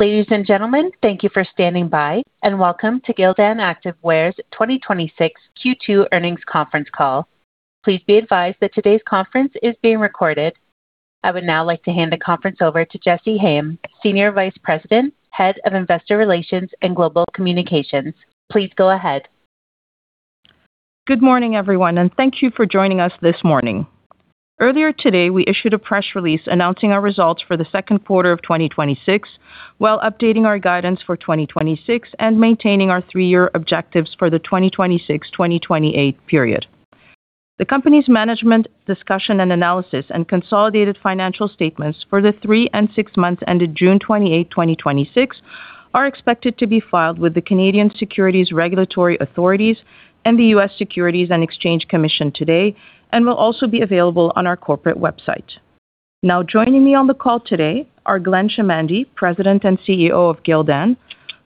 Ladies and gentlemen, thank you for standing by and welcome to Gildan Activewear's 2026 Q2 earnings conference call. Please be advised that today's conference is being recorded. I would now like to hand the conference over to Jessy Hayem, Senior Vice President, Head of Investor Relations and Global Communications. Please go ahead. Good morning, everyone. Thank you for joining us this morning. Earlier today, we issued a press release announcing our results for the second quarter of 2026, while updating our guidance for 2026 and maintaining our three-year objectives for the 2026, 2028 period. The company's Management Discussion and Analysis and consolidated financial statements for the three and six months ended June 28, 2026, are expected to be filed with the Canadian Securities Regulatory Authorities and the U.S. Securities and Exchange Commission today and will also be available on our corporate website. Joining me on the call today are Glenn Chamandy, President and CEO of Gildan,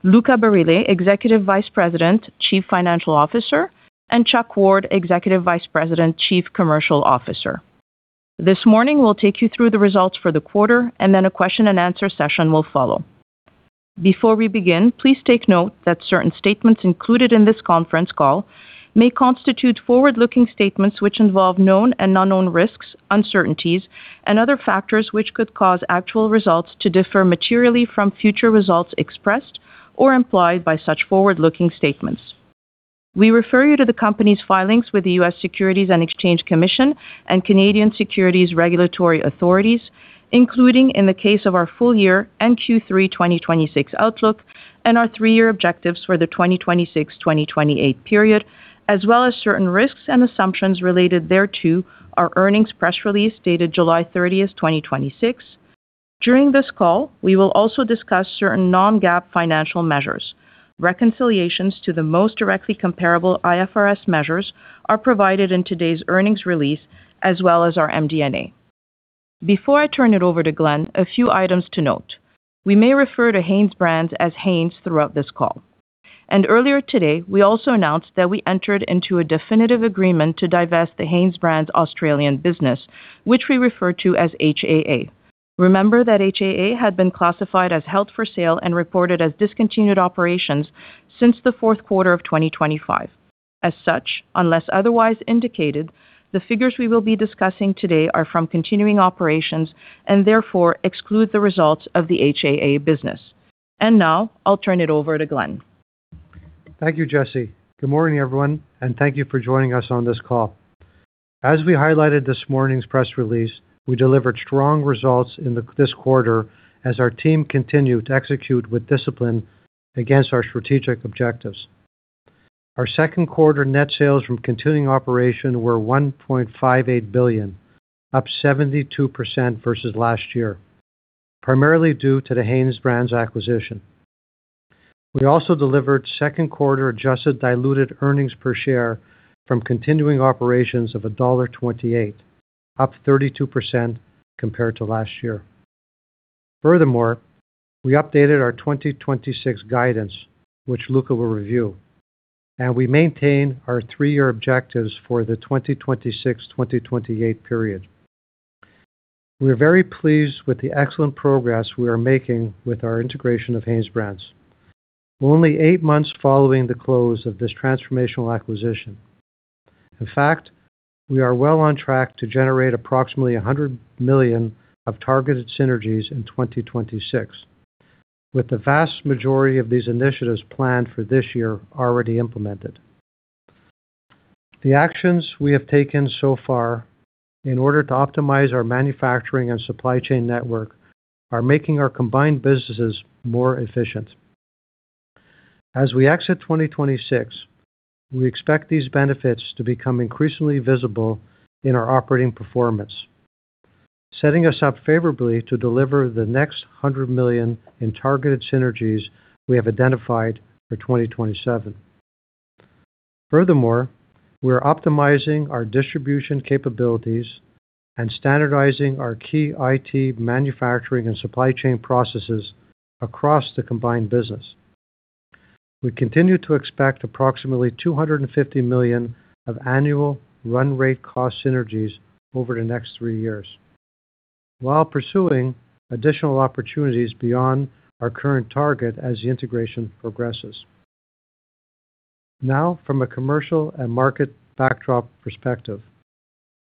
Luca Barile, Executive Vice President, Chief Financial Officer, and Chuck Ward, Executive Vice President, Chief Commercial Officer. This morning, we'll take you through the results for the quarter. A question and answer session will follow. Before we begin, please take note that certain statements included in this conference call may constitute forward-looking statements which involve known and unknown risks, uncertainties, and other factors which could cause actual results to differ materially from future results expressed or implied by such forward-looking statements. We refer you to the company's filings with the U.S. Securities and Exchange Commission and Canadian Securities Regulatory Authorities, including, in the case of our full year and Q3 2026 outlook and our three-year objectives for the 2026-2028 period, as well as certain risks and assumptions related thereto, our earnings press release dated July 30th, 2026. During this call, we will also discuss certain non-GAAP financial measures. Reconciliations to the most directly comparable IFRS measures are provided in today's earnings release as well as our MD&A. Before I turn it over to Glenn, a few items to note. We may refer to HanesBrands as Hanes throughout this call. Earlier today, we also announced that we entered into a definitive agreement to divest the HanesBrands Australian Business, which we refer to as HAA. Remember that HAA had been classified as held for sale and reported as discontinued operations since the fourth quarter of 2025. As such, unless otherwise indicated, the figures we will be discussing today are from continuing operations and therefore exclude the results of the HAA business. Now I'll turn it over to Glenn. Thank you, Jessy. Good morning, everyone, and thank you for joining us on this call. As we highlighted this morning's press release, we delivered strong results in this quarter as our team continued to execute with discipline against our strategic objectives. Our second quarter net sales from continuing operation were $1.58 billion, up 72% versus last year, primarily due to the HanesBrands acquisition. We also delivered second quarter adjusted diluted earnings per share from continuing operations of $1.28, up 32% compared to last year. Furthermore, we updated our 2026 guidance, which Luca will review, and we maintain our three year objectives for the 2026-2028 period. We are very pleased with the excellent progress we are making with our integration of HanesBrands. Only eight months following the close of this transformational acquisition. In fact, we are well on track to generate approximately $100 million of targeted synergies in 2026, with the vast majority of these initiatives planned for this year already implemented. The actions we have taken so far in order to optimize our manufacturing and supply chain network are making our combined businesses more efficient. As we exit 2026, we expect these benefits to become increasingly visible in our operating performance, setting us up favorably to deliver the next $100 million in targeted synergies we have identified for 2027. Furthermore, we are optimizing our distribution capabilities and standardizing our key IT manufacturing and supply chain processes across the combined business. We continue to expect approximately $250 million of annual run rate cost synergies over the next three years, while pursuing additional opportunities beyond our current target as the integration progresses. Now, from a commercial and market backdrop perspective,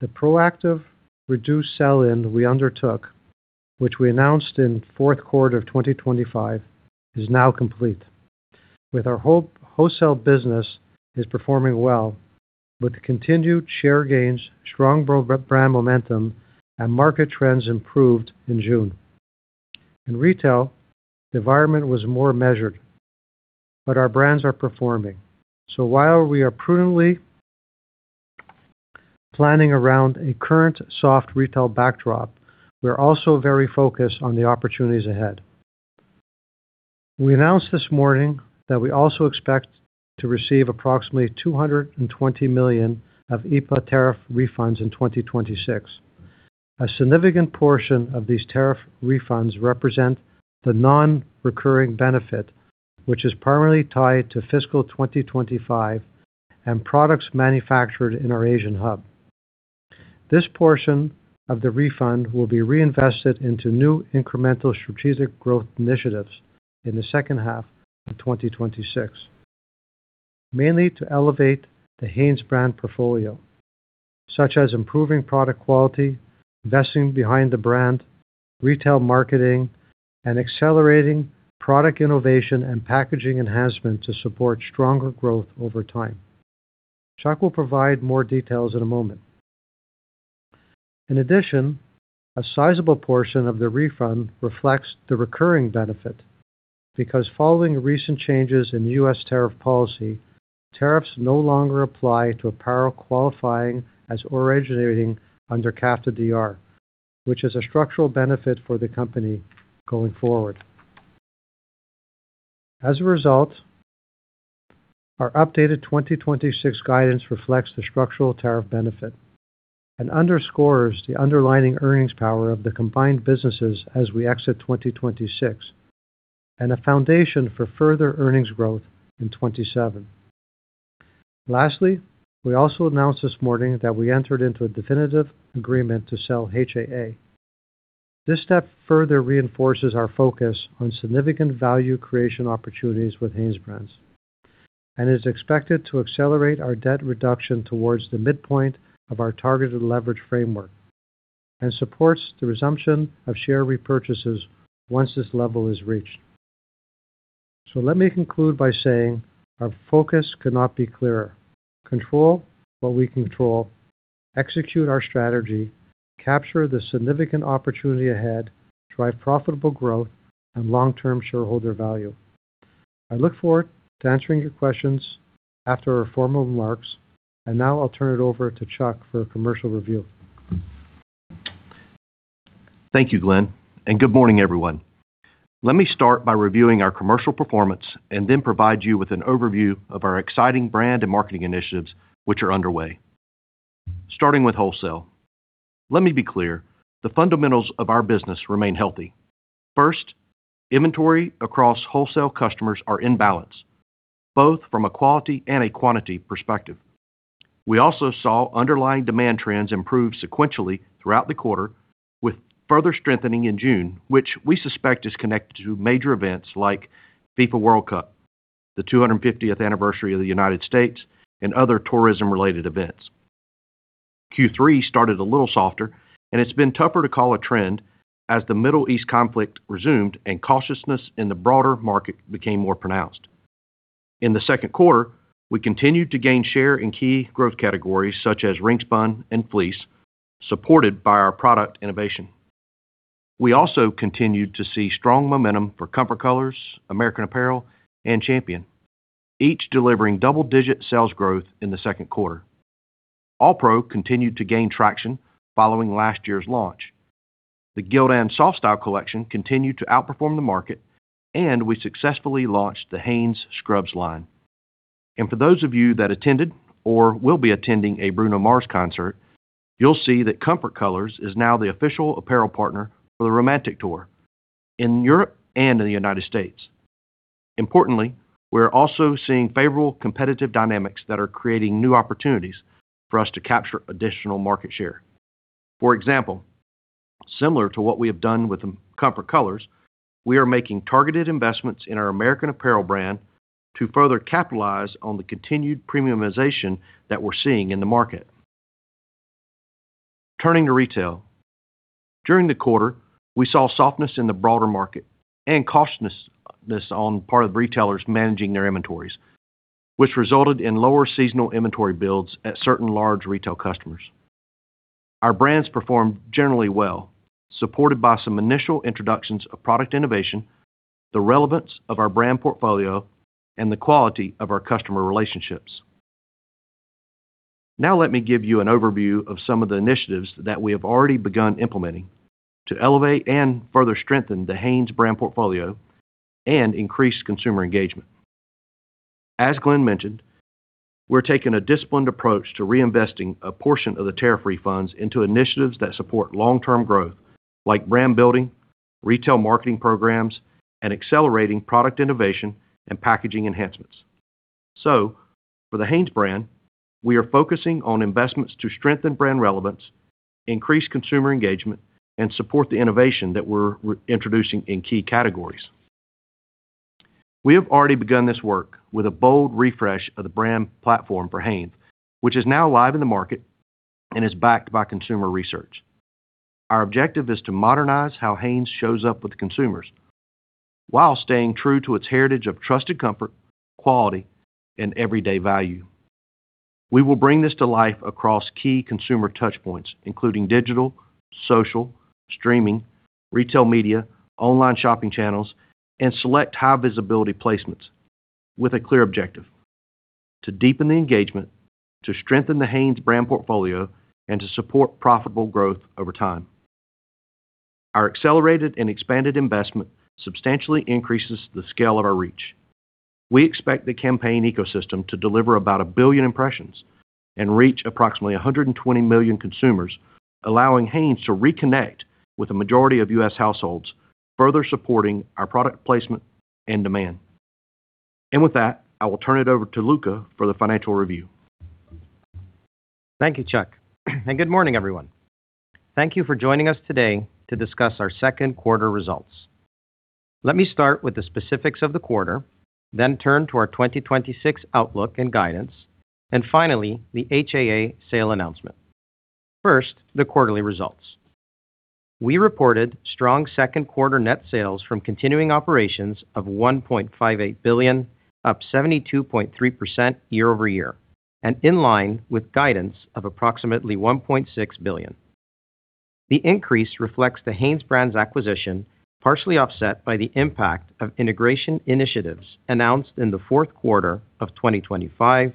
the proactive reduced sell-in we undertook, which we announced in fourth quarter of 2025, is now complete. With our wholesale business is performing well with continued share gains, strong brand momentum, and market trends improved in June. In retail, the environment was more measured, but our brands are performing. While we are prudently planning around a current soft retail backdrop, we are also very focused on the opportunities ahead. We announced this morning that we also expect to receive approximately $220 million of IEEPA tariff refunds in 2026. A significant portion of these tariff refunds represent the non-recurring benefit, which is primarily tied to fiscal 2025 and products manufactured in our Asian hub. This portion of the refund will be reinvested into new incremental strategic growth initiatives in the second half of 2026, mainly to elevate the Hanes brand portfolio, such as improving product quality, investing behind the brand, retail marketing, and accelerating product innovation and packaging enhancement to support stronger growth over time. Chuck will provide more details in a moment. In addition, a sizable portion of the refund reflects the recurring benefit because following recent changes in U.S. tariff policy, tariffs no longer apply to apparel qualifying as originating under CAFTA-DR, which is a structural benefit for the company going forward. As a result, our updated 2026 guidance reflects the structural tariff benefit and underscores the underlying earnings power of the combined businesses as we exit 2026, and a foundation for further earnings growth in 2027. We also announced this morning that we entered into a definitive agreement to sell HAA. This step further reinforces our focus on significant value creation opportunities with HanesBrands, and is expected to accelerate our debt reduction towards the midpoint of our targeted leverage framework, and supports the resumption of share repurchases once this level is reached. Let me conclude by saying our focus could not be clearer. Control what we control, execute our strategy, capture the significant opportunity ahead, drive profitable growth and long-term shareholder value. I look forward to answering your questions after our formal remarks, and now I'll turn it over to Chuck for a commercial review. Thank you, Glenn, good morning, everyone. Let me start by reviewing our commercial performance and then provide you with an overview of our exciting brand and marketing initiatives which are underway. Starting with wholesale. Let me be clear, the fundamentals of our business remain healthy. Inventory across wholesale customers are in balance, both from a quality and a quantity perspective. We also saw underlying demand trends improve sequentially throughout the quarter, with further strengthening in June, which we suspect is connected to major events like FIFA World Cup, the 250th anniversary of the U.S., and other tourism-related events. Q3 started a little softer, it's been tougher to call a trend as the Middle East conflict resumed and cautiousness in the broader market became more pronounced. In the second quarter, we continued to gain share in key growth categories such as ring-spun and fleece, supported by our product innovation. We also continued to see strong momentum for Comfort Colors, American Apparel, and Champion, each delivering double-digit sales growth in the second quarter. ALLPRO continued to gain traction following last year's launch. The Gildan Softstyle collection continued to outperform the market, we successfully launched the Hanes Scrubs line. For those of you that attended or will be attending a Bruno Mars concert, you'll see that Comfort Colors is now the official apparel partner for The Romantic Tour in Europe and in the U.S. We're also seeing favorable competitive dynamics that are creating new opportunities for us to capture additional market share. Similar to what we have done with Comfort Colors, we are making targeted investments in our American Apparel brand to further capitalize on the continued premiumization that we're seeing in the market. Turning to retail. During the quarter, we saw softness in the broader market and cautiousness on part of retailers managing their inventories, which resulted in lower seasonal inventory builds at certain large retail customers. Our brands performed generally well, supported by some initial introductions of product innovation, the relevance of our brand portfolio, and the quality of our customer relationships. Let me give you an overview of some of the initiatives that we have already begun implementing to elevate and further strengthen the Hanes brand portfolio and increase consumer engagement. As Glenn mentioned, we are taking a disciplined approach to reinvesting a portion of the tariff refunds into initiatives that support long-term growth like brand building, retail marketing programs, and accelerating product innovation and packaging enhancements. For the Hanes brand, we are focusing on investments to strengthen brand relevance, increase consumer engagement, and support the innovation that we are introducing in key categories. We have already begun this work with a bold refresh of the brand platform for Hanes, which is now live in the market and is backed by consumer research. Our objective is to modernize how Hanes shows up with consumers while staying true to its heritage of trusted comfort, quality, and everyday value. We will bring this to life across key consumer touchpoints, including digital, social, streaming, retail media, online shopping channels, and select high-visibility placements with a clear objective: to deepen the engagement, to strengthen the Hanes brand portfolio, and to support profitable growth over time. Our accelerated and expanded investment substantially increases the scale of our reach. We expect the campaign ecosystem to deliver about 1 billion impressions and reach approximately 120 million consumers, allowing Hanes to reconnect with a majority of U.S. households, further supporting our product placement and demand. With that, I will turn it over to Luca for the financial review. Thank you, Chuck, and good morning, everyone. Thank you for joining us today to discuss our second quarter results. Let me start with the specifics of the quarter, then turn to our 2026 outlook and guidance, and finally, the HAA sale announcement. First, the quarterly results. We reported strong second quarter net sales from continuing operations of $1.58 billion, up 72.3% year-over-year, and in line with guidance of approximately $1.6 billion. The increase reflects the HanesBrands acquisition, partially offset by the impact of integration initiatives announced in the fourth quarter of 2025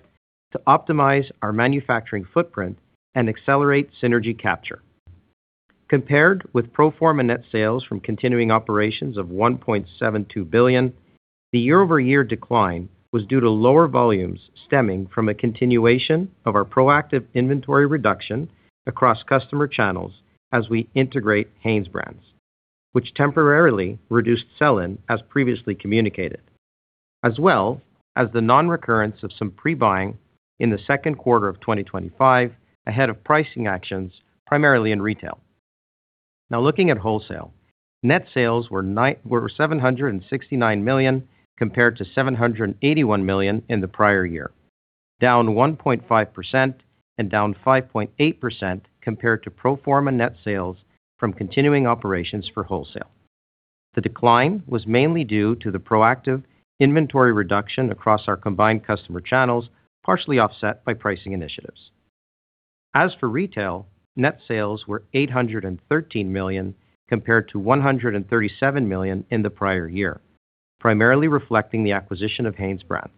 to optimize our manufacturing footprint and accelerate synergy capture. Compared with pro forma net sales from continuing operations of $1.72 billion, the year-over-year decline was due to lower volumes stemming from a continuation of our proactive inventory reduction across customer channels as we integrate HanesBrands, which temporarily reduced sell-in as previously communicated, as well as the non-recurrence of some pre-buying in the second quarter of 2025 ahead of pricing actions, primarily in retail. Looking at wholesale. Net sales were $769 million compared to $781 million in the prior year, down 1.5% and down 5.8% compared to pro forma net sales from continuing operations for wholesale. The decline was mainly due to the proactive inventory reduction across our combined customer channels, partially offset by pricing initiatives. For retail, net sales were $813 million compared to $137 million in the prior year, primarily reflecting the acquisition of HanesBrands.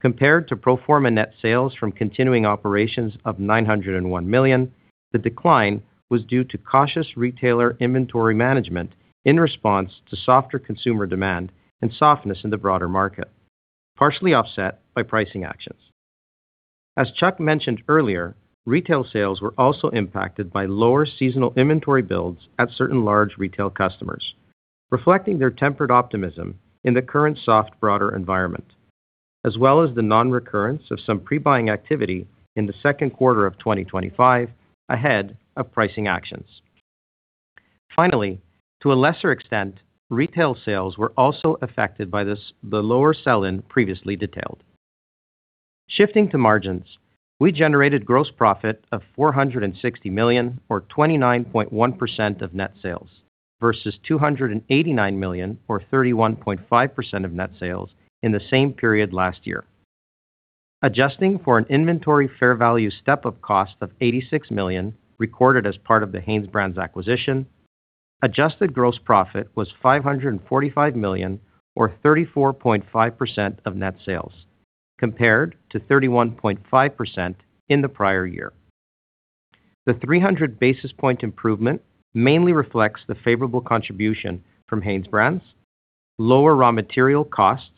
Compared to pro forma net sales from continuing operations of $901 million, the decline was due to cautious retailer inventory management in response to softer consumer demand and softness in the broader market, partially offset by pricing actions. As Chuck mentioned earlier, retail sales were also impacted by lower seasonal inventory builds at certain large retail customers, reflecting their tempered optimism in the current soft broader environment, as well as the non-recurrence of some pre-buying activity in the second quarter of 2025 ahead of pricing actions. Finally, to a lesser extent, retail sales were also affected by the lower sell-in previously detailed. Shifting to margins, we generated gross profit of $460 million, or 29.1% of net sales, versus $289 million, or 31.5% of net sales, in the same period last year. Adjusting for an inventory fair value step-up cost of $86 million recorded as part of the HanesBrands acquisition, adjusted gross profit was $545 million or 34.5% of net sales, compared to 31.5% in the prior year. The 300 basis point improvement mainly reflects the favorable contribution from HanesBrands, lower raw material costs,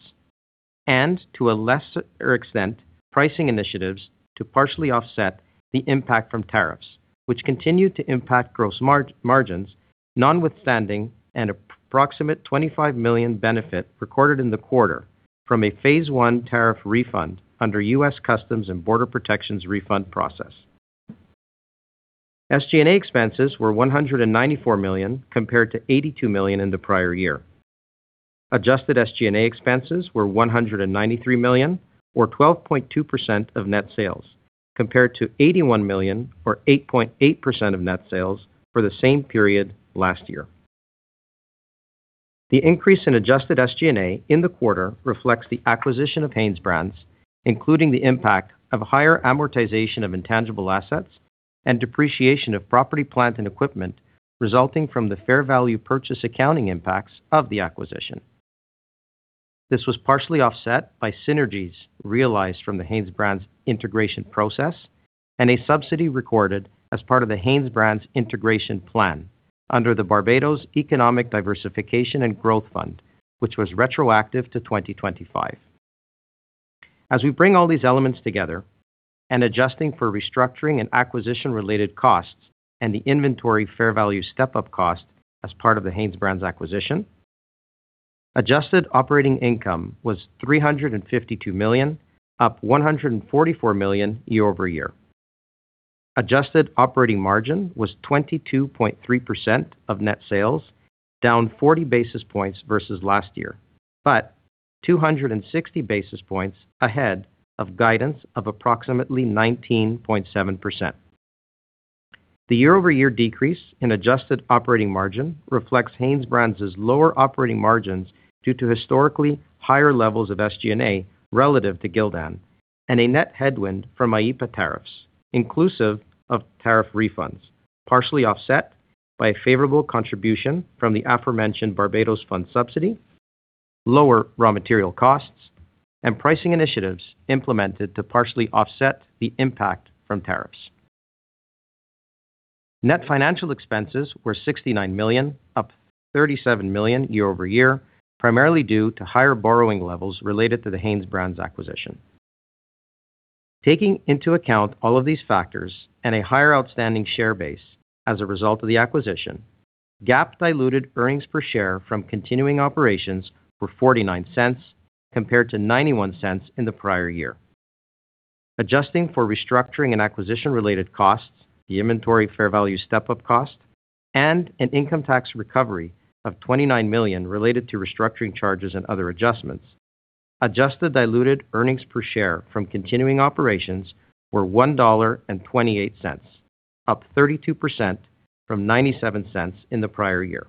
and to a lesser extent, pricing initiatives to partially offset the impact from tariffs, which continue to impact gross margins, notwithstanding an approximate $25 million benefit recorded in the quarter from a Phase 1 tariff refund under U.S. Customs and Border Protection refund process. SG&A expenses were $194 million compared to $82 million in the prior year. Adjusted SG&A expenses were $193 million or 12.2% of net sales, compared to $81 million or 8.8% of net sales for the same period last year. The increase in adjusted SG&A in the quarter reflects the acquisition of HanesBrands, including the impact of higher amortization of intangible assets and depreciation of property, plant, and equipment resulting from the fair value purchase accounting impacts of the acquisition. This was partially offset by synergies realized from the HanesBrands integration process and a subsidy recorded as part of the HanesBrands integration plan under the Barbados Economic Diversification and Growth Fund, which was retroactive to 2025. As we bring all these elements together and adjusting for restructuring and acquisition related costs and the inventory fair value step-up cost as part of the HanesBrands acquisition, adjusted operating income was $352 million, up $144 million year-over-year. Adjusted operating margin was 22.3% of net sales, down 40 basis points versus last year but 260 basis points ahead of guidance of approximately 19.7%. The year-over-year decrease in adjusted operating margin reflects HanesBrands' lower operating margins due to historically higher levels of SG&A relative to Gildan and a net headwind from IEEPA tariffs, inclusive of tariff refunds, partially offset by a favorable contribution from the aforementioned Barbados Fund subsidy, lower raw material costs, and pricing initiatives implemented to partially offset the impact from tariffs. Net financial expenses were $69 million, up $37 million year-over-year, primarily due to higher borrowing levels related to the HanesBrands acquisition. Taking into account all of these factors and a higher outstanding share base as a result of the acquisition, GAAP diluted earnings per share from continuing operations were $0.49 compared to $0.91 in the prior year. Adjusting for restructuring and acquisition-related costs, the inventory fair value step-up cost, and an income tax recovery of $29 million related to restructuring charges and other adjustments. Adjusted diluted earnings per share from continuing operations were $1.28, up 32% from $0.97 in the prior year.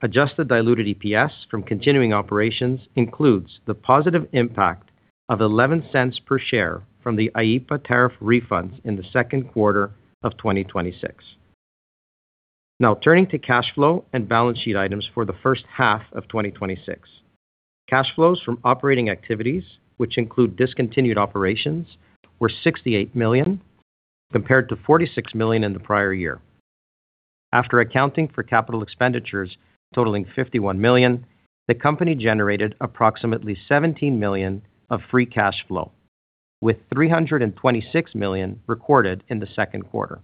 Adjusted diluted EPS from continuing operations includes the positive impact of $0.11 per share from the IEEPA tariff refunds in the second quarter of 2026. Turning to cash flow and balance sheet items for the first half of 2026. Cash flows from operating activities, which include discontinued operations, were $68 million, compared to $46 million in the prior year. After accounting for capital expenditures totaling $51 million, the company generated approximately $17 million of free cash flow, with $326 million recorded in the second quarter.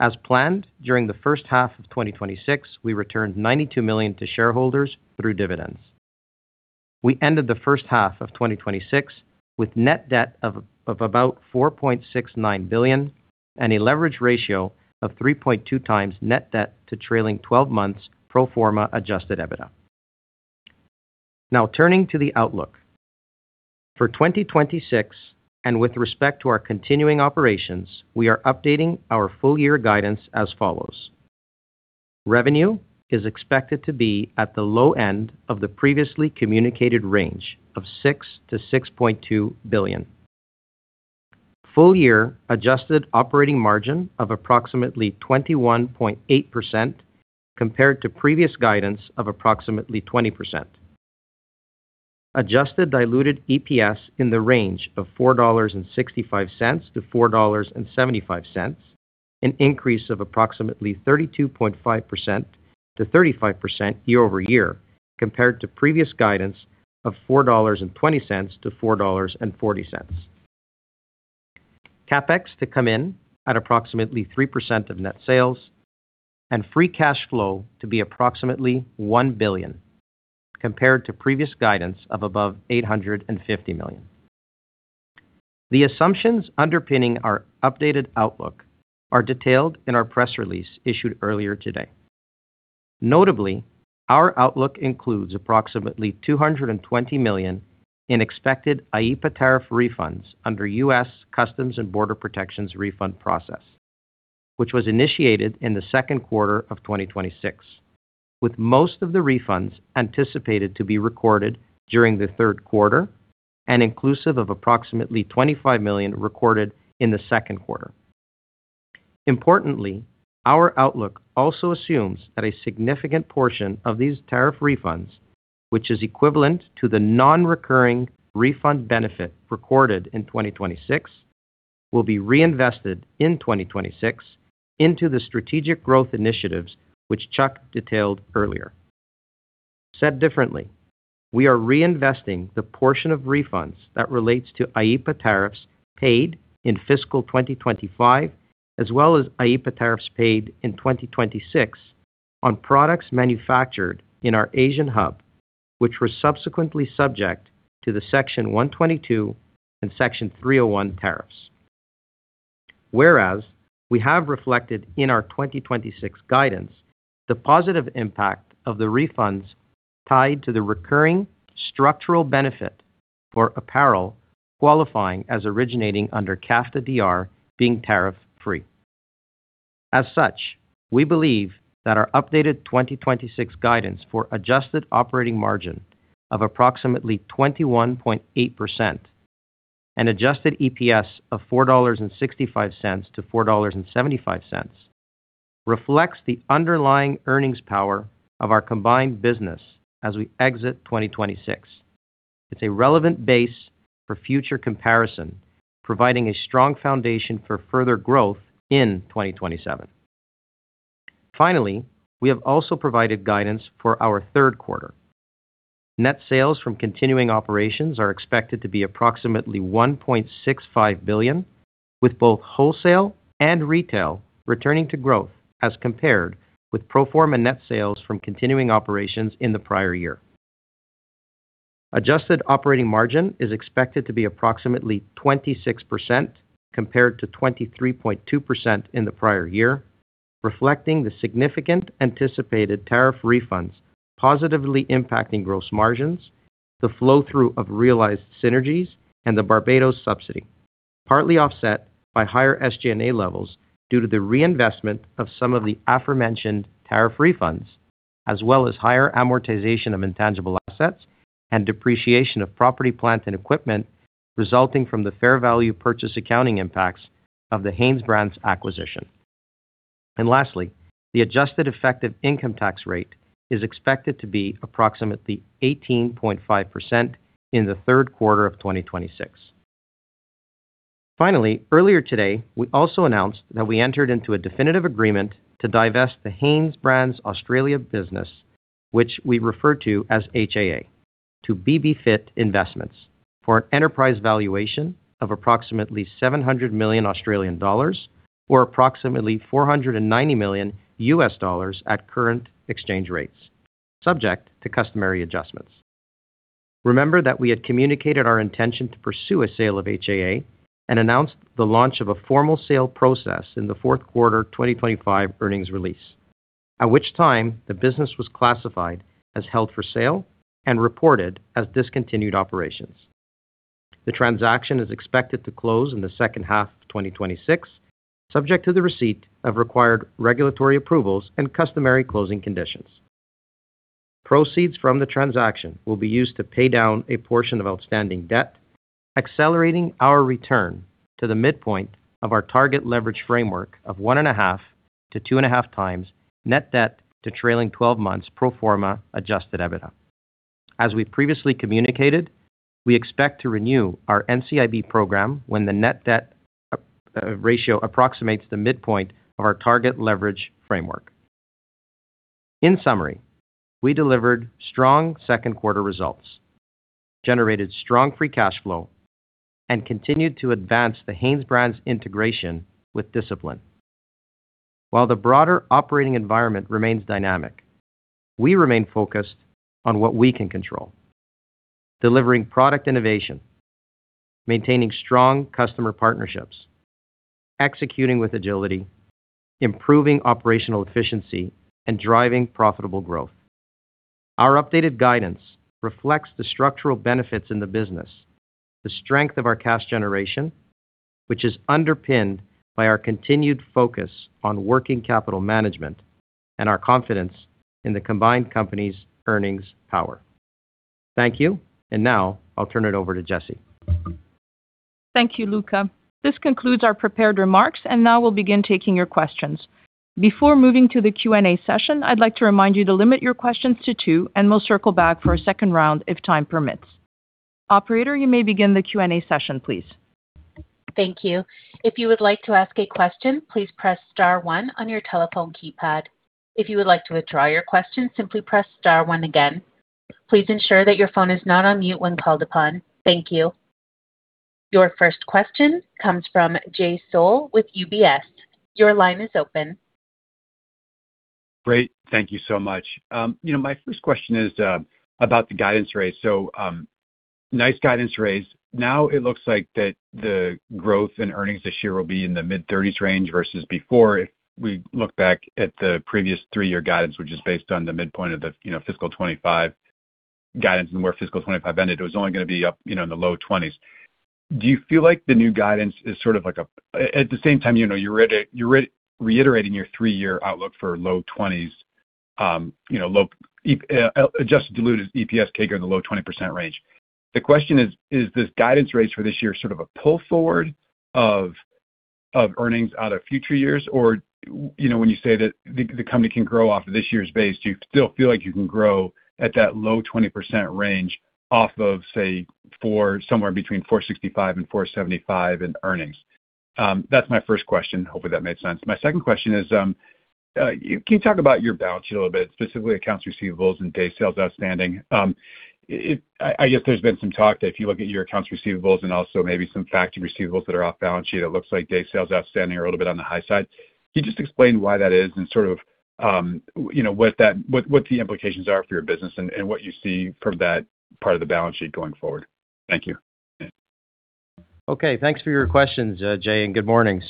As planned, during the first half of 2026, we returned $92 million to shareholders through dividends. We ended the first half of 2026 with net debt of about $4.69 billion and a leverage ratio of 3.2x net debt to trailing 12 months pro forma adjusted EBITDA. Turning to the outlook. For 2026 and with respect to our continuing operations, we are updating our full year guidance as follows. Revenue is expected to be at the low end of the previously communicated range of $6 billion-$6.2 billion. Full year adjusted operating margin of approximately 21.8%, compared to previous guidance of approximately 20%. Adjusted diluted EPS in the range of $4.65-$4.75, an increase of approximately 32.5%-35% year-over-year, compared to previous guidance of $4.20-$4.40. CapEx to come in at approximately 3% of net sales and free cash flow to be approximately $1 billion compared to previous guidance of above $850 million. The assumptions underpinning our updated outlook are detailed in our press release issued earlier today. Notably, our outlook includes approximately $220 million in expected IEEPA tariff refunds under U.S. Customs and Border Protection refund process, which was initiated in the second quarter of 2026, with most of the refunds anticipated to be recorded during the third quarter and inclusive of approximately $25 million recorded in the second quarter. Importantly, our outlook also assumes that a significant portion of these tariff refunds, which is equivalent to the non-recurring refund benefit recorded in 2026, will be reinvested in 2026 into the strategic growth initiatives, which Chuck detailed earlier. Said differently, we are reinvesting the portion of refunds that relates to IEEPA tariffs paid in FY 2025, as well as IEEPA tariffs paid in 2026 on products manufactured in our Asian hub, which were subsequently subject to the Section 122 and Section 301 tariffs. We have reflected in our 2026 guidance, the positive impact of the refunds tied to the recurring structural benefit for apparel qualifying as originating under CAFTA-DR being tariff free. We believe that our updated 2026 guidance for adjusted operating margin of approximately 21.8% and adjusted EPS of $4.65-$4.75 reflects the underlying earnings power of our combined business as we exit 2026. It's a relevant base for future comparison, providing a strong foundation for further growth in 2027. We have also provided guidance for our third quarter. Net sales from continuing operations are expected to be approximately $1.65 billion, with both wholesale and retail returning to growth as compared with pro forma net sales from continuing operations in the prior year. Adjusted operating margin is expected to be approximately 26% compared to 23.2% in the prior year, reflecting the significant anticipated tariff refunds positively impacting gross margins, the flow-through of realized synergies, and the Barbados subsidy, partly offset by higher SG&A levels due to the reinvestment of some of the aforementioned tariff refunds, as well as higher amortization of intangible assets and depreciation of property, plant, and equipment resulting from the fair value purchase accounting impacts of the HanesBrands acquisition. Lastly, the adjusted effective income tax rate is expected to be approximately 18.5% in the third quarter of 2026. Finally, earlier today, we also announced that we entered into a definitive agreement to divest the HanesBrands Australian Business, which we refer to as HAA, to BBFIT Investments for an enterprise valuation of approximately 700 million Australian dollars, or approximately $490 million at current exchange rates, subject to customary adjustments. Remember that we had communicated our intention to pursue a sale of HAA and announced the launch of a formal sale process in the fourth quarter 2025 earnings release, at which time the business was classified as held for sale and reported as discontinued operations. The transaction is expected to close in the second half of 2026, subject to the receipt of required regulatory approvals and customary closing conditions. Proceeds from the transaction will be used to pay down a portion of outstanding debt, accelerating our return to the midpoint of our target leverage framework of 1.5x-2.5x net debt to trailing 12 months pro forma adjusted EBITDA. As we previously communicated, we expect to renew our NCIB program when the net debt ratio approximates the midpoint of our target leverage framework. In summary, we delivered strong second quarter results, generated strong free cash flow, and continued to advance the HanesBrands integration with discipline. While the broader operating environment remains dynamic, we remain focused on what we can control, delivering product innovation, maintaining strong customer partnerships, executing with agility, improving operational efficiency, and driving profitable growth. Our updated guidance reflects the structural benefits in the business, the strength of our cash generation, which is underpinned by our continued focus on working capital management and our confidence in the combined company's earnings power. Thank you. Now I'll turn it over to Jessy. Thank you, Luca. This concludes our prepared remarks, and now we'll begin taking your questions. Before moving to the Q&A session, I'd like to remind you to limit your questions to two, and we'll circle back for a second round if time permits. Operator, you may begin the Q&A session, please. Thank you. If you would like to ask a question, please press star one on your telephone keypad. If you would like to withdraw your question, simply press star one again. Please ensure that your phone is not on mute when called upon. Thank you. Your first question comes from Jay Sole with UBS. Your line is open. Great. Thank you so much. My first question is about the guidance raise. Nice guidance raise. Now it looks like that the growth in earnings this year will be in the mid-30s range versus before. We look back at the previous three year guidance, which is based on the midpoint of the fiscal 2025 guidance and where fiscal 2025 ended, it was only going to be up in the low 20s. At the same time, you're reiterating your three year outlook for low 20s, adjusted diluted EPS [CAGR] in the low 20% range. The question is this guidance raise for this year sort of a pull forward of earnings out of future years? When you say that the company can grow off of this year's base, do you still feel like you can grow at that low 20% range off of, say, somewhere between $4.65 and $4.75 in earnings? That's my first question. Hopefully, that made sense. My second question is, can you talk about your balance sheet a little bit, specifically accounts receivables and days sales outstanding? I guess there's been some talk that if you look at your accounts receivables and also maybe some factory receivables that are off-balance sheet, it looks like days sales outstanding are a little bit on the high side. Can you just explain why that is and sort of what the implications are for your business and what you see from that part of the balance sheet going forward? Thank you. Thanks for your questions, Jay, and good morning.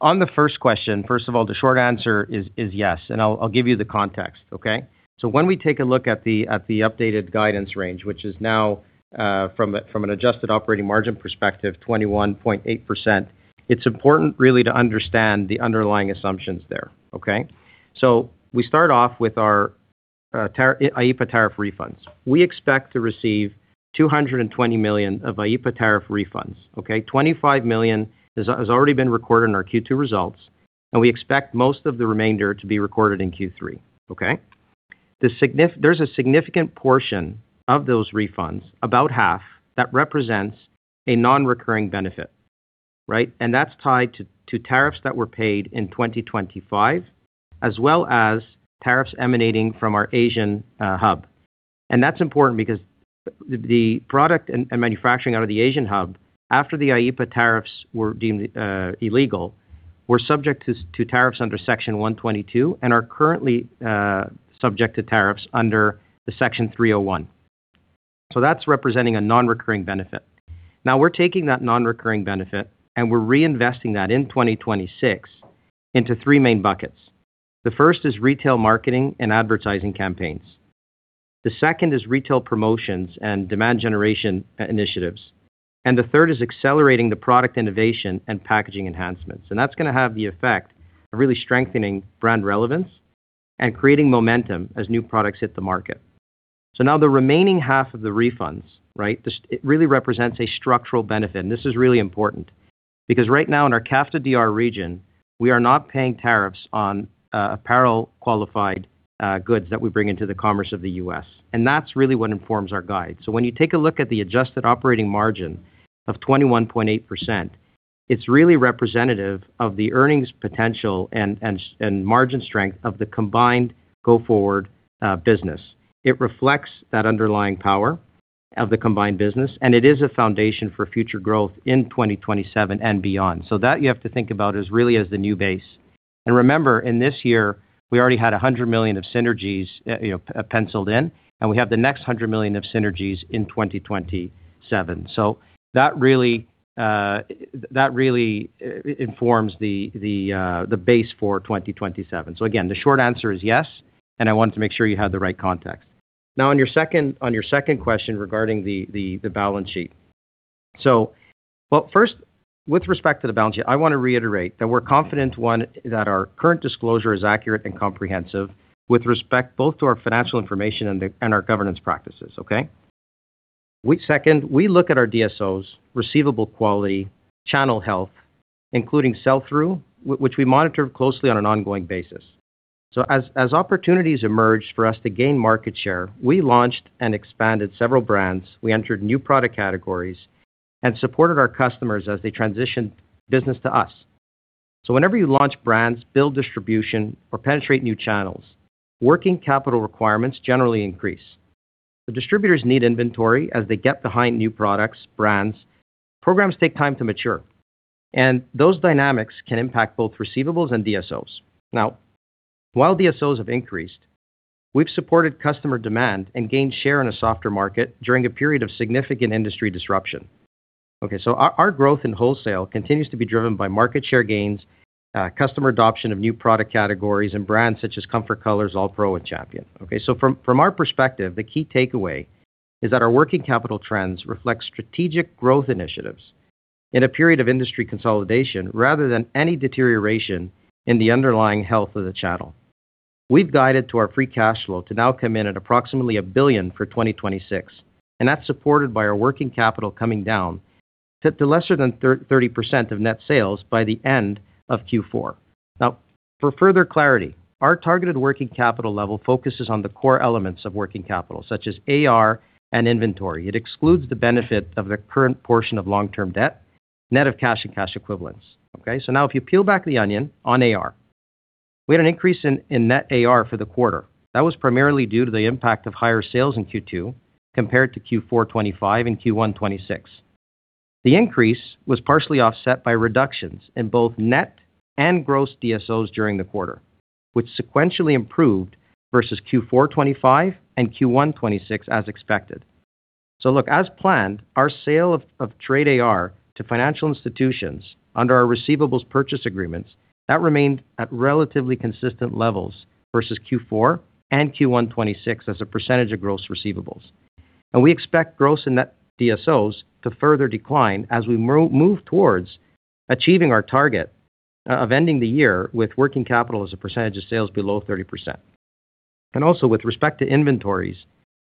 On the first question, first of all, the short answer is yes. I'll give you the context. Okay. When we take a look at the updated guidance range, which is now, from an adjusted operating margin perspective, 21.8%, it's important really to understand the underlying assumptions there. Okay. We start off with our IEEPA tariff refunds. We expect to receive $220 million of IEEPA tariff refunds, okay. $25 million has already been recorded in our Q2 results. We expect most of the remainder to be recorded in Q3, okay. There's a significant portion of those refunds, about half, that represents a non-recurring benefit. That's tied to tariffs that were paid in 2025, as well as tariffs emanating from our Asian hub. That's important because the product and manufacturing out of the Asian hub, after the IEEPA tariffs were deemed illegal, were subject to tariffs under Section 122 and are currently subject to tariffs under Section 301. That's representing a non-recurring benefit. We're taking that non-recurring benefit. We're reinvesting that in 2026 into three main buckets. The first is retail marketing and advertising campaigns. The second is retail promotions and demand generation initiatives. The third is accelerating the product innovation and packaging enhancements. That's going to have the effect of really strengthening brand relevance and creating momentum as new products hit the market. The remaining half of the refunds represents a structural benefit. This is really important because right now in our CAFTA-DR region, we are not paying tariffs on apparel qualified goods that we bring into the commerce of the U.S. That's really what informs our guide. When you take a look at the adjusted operating margin of 21.8%, it's really representative of the earnings potential and margin strength of the combined go-forward business. It reflects that underlying power of the combined business. It is a foundation for future growth in 2027 and beyond. That you have to think about as really as the new base. Remember, in this year, we already had $100 million of synergies penciled in. We have the next $100 million of synergies in 2027. That really informs the base for 2027. Again, the short answer is yes. I wanted to make sure you had the right context. On your second question regarding the balance sheet. First, with respect to the balance sheet, I want to reiterate that we're confident, one, that our current disclosure is accurate and comprehensive with respect both to our financial information and our governance practices. Okay. Second, we look at our DSOs, receivable quality, channel health, including sell-through, which we monitor closely on an ongoing basis. As opportunities emerged for us to gain market share, we launched and expanded several brands. We entered new product categories. We supported our customers as they transitioned business to us. Whenever you launch brands, build distribution, or penetrate new channels, working capital requirements generally increase. The distributors need inventory as they get behind new products, brands. Programs take time to mature, and those dynamics can impact both receivables and DSOs. While DSOs have increased, we've supported customer demand and gained share in a softer market during a period of significant industry disruption. Our growth in wholesale continues to be driven by market share gains, customer adoption of new product categories and brands such as Comfort Colors, ALLPRO, and Champion. From our perspective, the key takeaway is that our working capital trends reflect strategic growth initiatives in a period of industry consolidation rather than any deterioration in the underlying health of the channel. We've guided to our free cash flow to now come in at approximately $1 billion for 2026, and that's supported by our working capital coming down to less than 30% of net sales by the end of Q4. For further clarity, our targeted working capital level focuses on the core elements of working capital, such as AR and inventory. It excludes the benefit of the current portion of long-term debt, net of cash and cash equivalents. If you peel back the onion on AR, we had an increase in net AR for the quarter. That was primarily due to the impact of higher sales in Q2 compared to Q4 2025 and Q1 2026. The increase was partially offset by reductions in both net and gross DSOs during the quarter, which sequentially improved versus Q4 2025 and Q1 2026 as expected. Look, as planned, our sale of trade AR to financial institutions under our receivables purchase agreements, that remained at relatively consistent levels versus Q4 and Q1 2026 as a percentage of gross receivables. We expect gross and net DSOs to further decline as we move towards achieving our target of ending the year with working capital as a percentage of sales below 30%. Also with respect to inventories,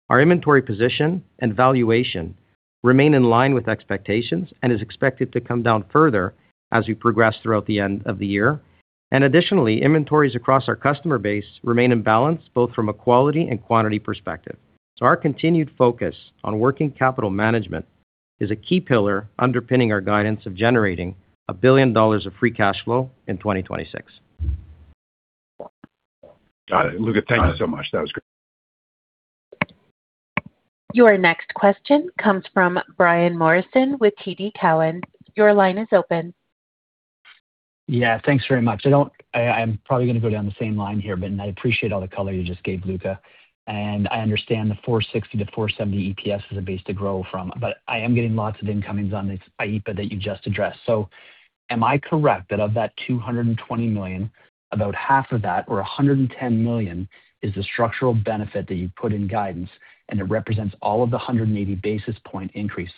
our inventory position and valuation remain in line with expectations and is expected to come down further as we progress throughout the end of the year. Additionally, inventories across our customer base remain in balance, both from a quality and quantity perspective. Our continued focus on working capital management is a key pillar underpinning our guidance of generating $1 billion of free cash flow in 2026. Got it. Luca, thank you so much. That was great. Your next question comes from Brian Morrison with TD Cowen. Your line is open. Yeah, thanks very much. I am probably going to go down the same line here, but I appreciate all the color you just gave, Luca. I understand the $4.60-$4.70 EPS is a base to grow from, but I am getting lots of incomings on this IEEPA that you just addressed. Am I correct that of that $220 million, about half of that or $110 million is the structural benefit that you put in guidance and it represents all of the 180 basis point increase?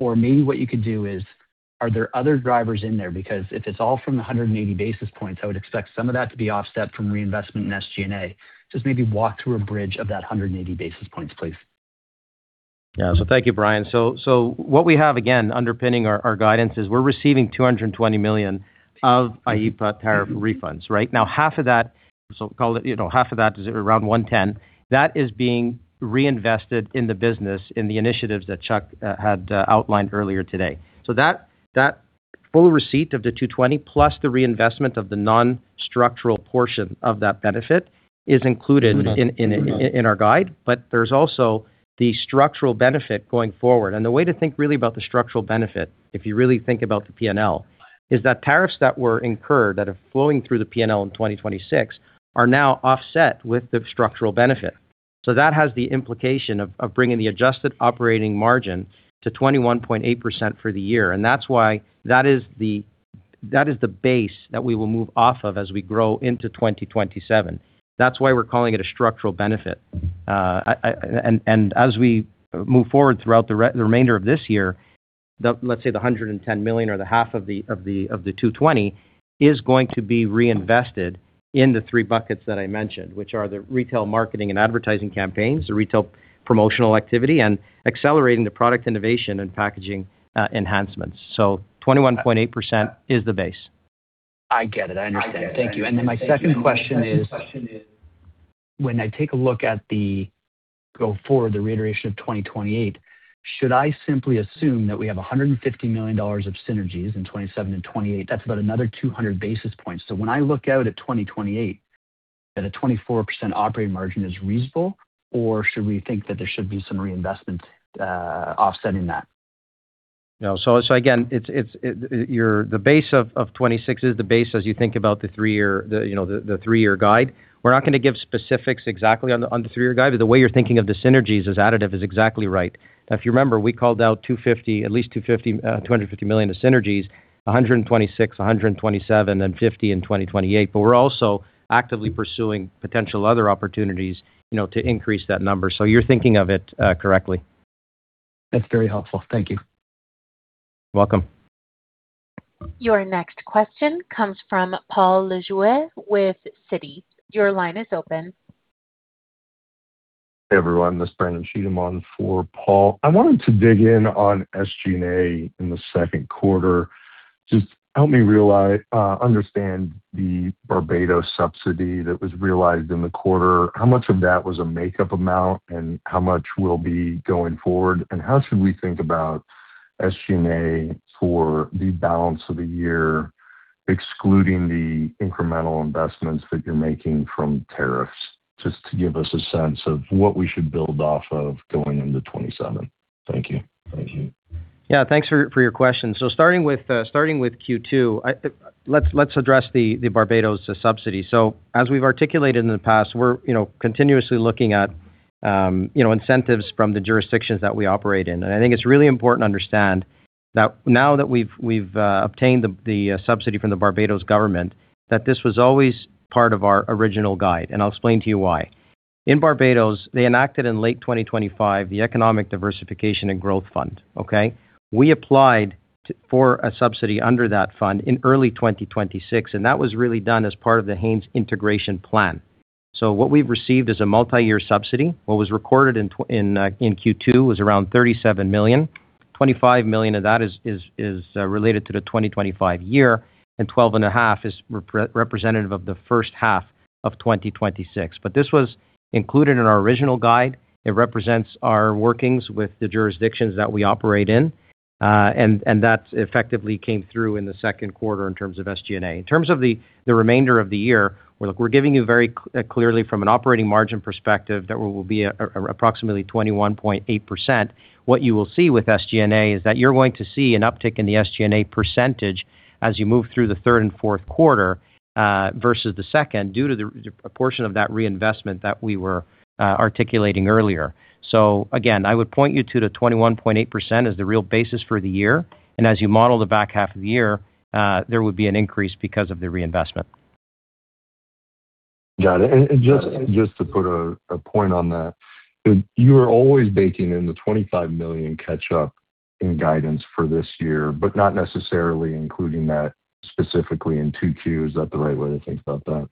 Maybe what you could do is, are there other drivers in there? If it's all from the 180 basis points, I would expect some of that to be offset from reinvestment in SG&A. Just maybe walk through a bridge of that 180 basis points, please? Thank you, Brian. What we have, again, underpinning our guidance is we're receiving $220 million of IEEPA tariff refunds, right? Half of that is around $110. That is being reinvested in the business in the initiatives that Chuck had outlined earlier today. That full receipt of the $220 plus the reinvestment of the non-structural portion of that benefit is included in our guide. There's also the structural benefit going forward. The way to think really about the structural benefit, if you really think about the P&L, is that tariffs that were incurred that are flowing through the P&L in 2026 are now offset with the structural benefit. That has the implication of bringing the adjusted operating margin to 21.8% for the year. That's why that is the base that we will move off of as we grow into 2027. That's why we're calling it a structural benefit. As we move forward throughout the remainder of this year, let's say the $110 million or the half of the $220 is going to be reinvested in the three buckets that I mentioned, which are the retail marketing and advertising campaigns, the retail promotional activity, and accelerating the product innovation and packaging enhancements. 21.8% is the base. I get it. I understand. Thank you. My second question is when I take a look at the go forward, the reiteration of 2028, should I simply assume that we have $150 million of synergies in 2027 and 2028? That's about another 200 basis points. When I look out at 2028, that a 24% operating margin is reasonable or should we think that there should be some reinvestment offsetting that? No. Again, the base of 2026 is the base as you think about the three year guide. We're not going to give specifics exactly on the three year guide, the way you're thinking of the synergies as additive is exactly right. Now, if you remember, we called out at least $250 million of synergies, $126 million, $127 million, and $50 million in 2028. We're also actively pursuing potential other opportunities to increase that number. You're thinking of it correctly. That's very helpful. Thank you. Welcome. Your next question comes from Paul Lejuez with Citi. Your line is open. Hey, everyone. This is Brandon Cheatham on for Paul. I wanted to dig in on SG&A in the second quarter. Just help me understand the Barbados subsidy that was realized in the quarter. How much of that was a make-up amount and how much will be going forward? How should we think about SG&A for the balance of the year, excluding the incremental investments that you're making from tariffs, just to give us a sense of what we should build off of going into 2027. Thank you. Yeah, thanks for your question. Starting with Q2, let's address the Barbados subsidy. As we've articulated in the past, we're continuously looking at incentives from the jurisdictions that we operate in. I think it's really important to understand that now that we've obtained the subsidy from the Barbados government, that this was always part of our original guide, and I'll explain to you why. In Barbados, they enacted in late 2025 the Economic Diversification and Growth Fund. Okay? We applied for a subsidy under that fund in early 2026, and that was really done as part of the Hanes integration plan. What we've received is a multi-year subsidy. What was recorded in Q2 was around $37 million. $25 million of that is related to the 2025 year, and $12.5 million is representative of the first half of 2026. This was included in our original guide. It represents our workings with the jurisdictions that we operate in. That effectively came through in the second quarter in terms of SG&A. In terms of the remainder of the year, look, we're giving you very clearly from an operating margin perspective, that will be approximately 21.8%. What you will see with SG&A is that you're going to see an uptick in the SG&A percentage as you move through the third and fourth quarter versus the second, due to a portion of that reinvestment that we were articulating earlier. Again, I would point you to the 21.8% as the real basis for the year. As you model the back half of the year, there would be an increase because of the reinvestment. Got it. Just to put a point on that, you are always baking in the $25 million catch-up in guidance for this year, but not necessarily including that specifically in 2Q. Is that the right way to think about that?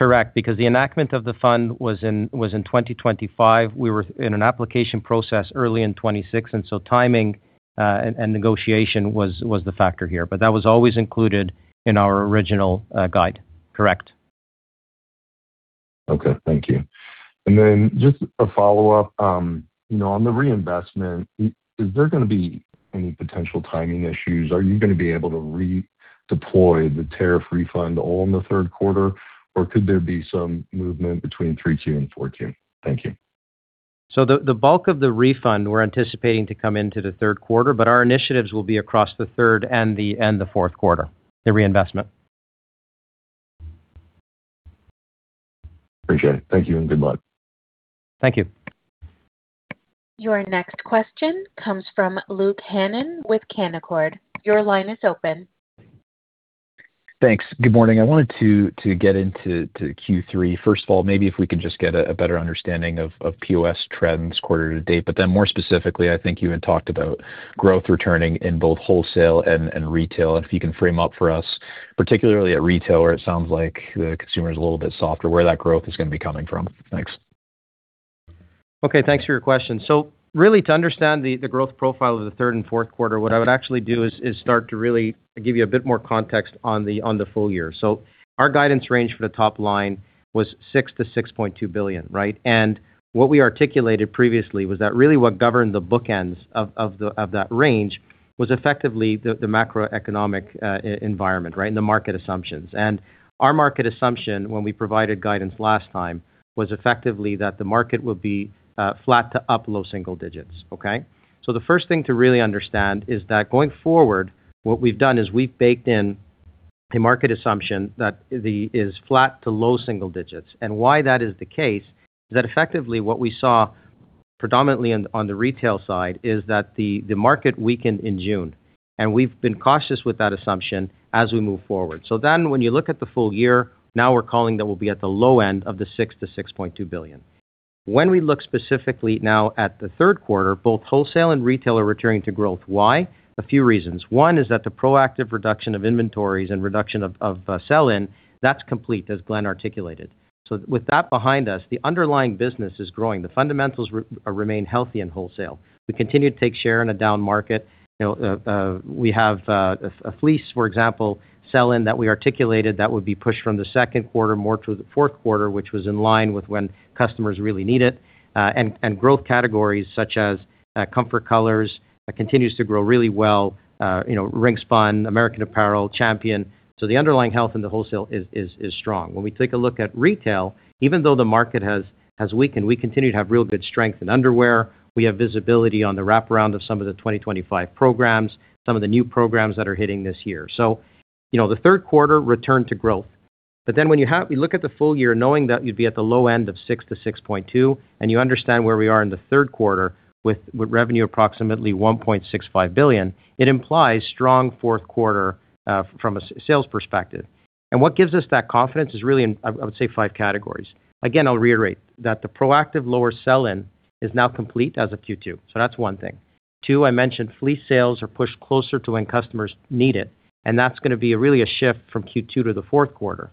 Correct. The enactment of the fund was in 2025. We were in an application process early in 2026, timing and negotiation was the factor here. That was always included in our original guide. Correct. Okay. Thank you. Just a follow-up. On the reinvestment, is there going to be any potential timing issues? Are you going to be able to redeploy the tariff refund all in the third quarter, or could there be some movement between 3Q and 4Q? Thank you. The bulk of the refund we're anticipating to come into the third quarter, our initiatives will be across the third and the fourth quarter, the reinvestment. Appreciate it. Thank you and good luck. Thank you. Your next question comes from Luke Hannan with Canaccord. Your line is open. Thanks. Good morning. I wanted to get into Q3. First of all, maybe if we can just get a better understanding of POS trends quarter to date. More specifically, I think you had talked about growth returning in both wholesale and retail. If you can frame up for us, particularly at retail, where it sounds like the consumer is a little bit softer, where that growth is going to be coming from? Thanks. Okay. Thanks for your question. Really to understand the growth profile of the third and fourth quarter, what I would actually do is start to really give you a bit more context on the full year. Our guidance range for the top line was $6 billion-$6.2 billion, right? What we articulated previously was that really what governed the bookends of that range was effectively the macroeconomic environment, right? The market assumptions. Our market assumption when we provided guidance last time, was effectively that the market would be flat to up low single digits. Okay? The first thing to really understand is that going forward, what we've done is we've baked in a market assumption that is flat to low single digits. Why that is the case is that effectively what we saw predominantly on the retail side is that the market weakened in June, and we've been cautious with that assumption as we move forward. When you look at the full year, now we're calling that we'll be at the low end of the $6 billion-$6.2 billion. When we look specifically now at the third quarter, both wholesale and retail are returning to growth. Why? A few reasons. One is that the proactive reduction of inventories and reduction of sell-in, that's complete, as Glenn articulated. With that behind us, the underlying business is growing. The fundamentals remain healthy in wholesale. We continue to take share in a down market. We have a fleece, for example, sell-in that we articulated that would be pushed from the second quarter more to the fourth quarter, which was in line with when customers really need it. Growth categories such as Comfort Colors continues to grow really well. Ringspun, American Apparel, Champion. The underlying health in the wholesale is strong. When we take a look at retail, even though the market has weakened, we continue to have real good strength in underwear. We have visibility on the wraparound of some of the 2025 programs, some of the new programs that are hitting this year. The third quarter returned to growth. When you look at the full year, knowing that you'd be at the low end of $6 billion-$6.2 billion, and you understand where we are in the third quarter with revenue approximately $1.65 billion, it implies strong fourth quarter from a sales perspective. What gives us that confidence is really, I would say, five categories. Again, I'll reiterate that the proactive lower sell-in is now complete as of Q2. That's one thing. Two, I mentioned fleece sales are pushed closer to when customers need it, and that's going to be really a shift from Q2 to the fourth quarter.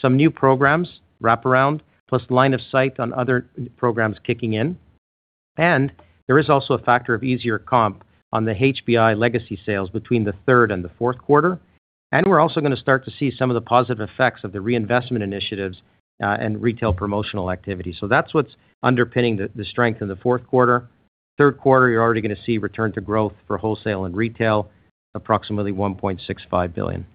Some new programs, wraparound, plus line of sight on other programs kicking in. There is also a factor of easier comp on the HBI legacy sales between the third and the fourth quarter. We're also going to start to see some of the positive effects of the reinvestment initiatives, and retail promotional activity. That's what's underpinning the strength in the fourth quarter. Third quarter, you're already going to see return to growth for wholesale and retail, approximately $1.65 billion.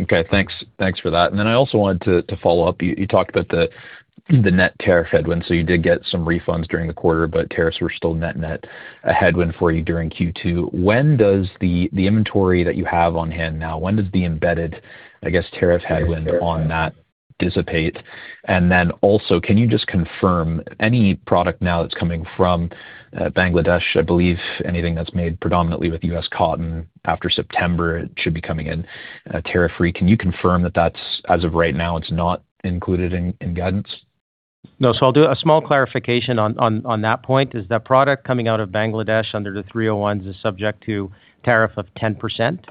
Okay, thanks for that. I also wanted to follow up. You talked about the net tariff headwind. You did get some refunds during the quarter, but tariffs were still net net a headwind for you during Q2. When does the inventory that you have on hand now, when does the embedded, I guess, tariff headwind on that dissipate? Also, can you just confirm any product now that's coming from Bangladesh, I believe anything that's made predominantly with U.S. cotton after September, it should be coming in tariff free. Can you confirm that that's, as of right now, it's not included in guidance? No. I'll do a small clarification on that point is that product coming out of Bangladesh under the Section 301 is subject to tariff of 10%.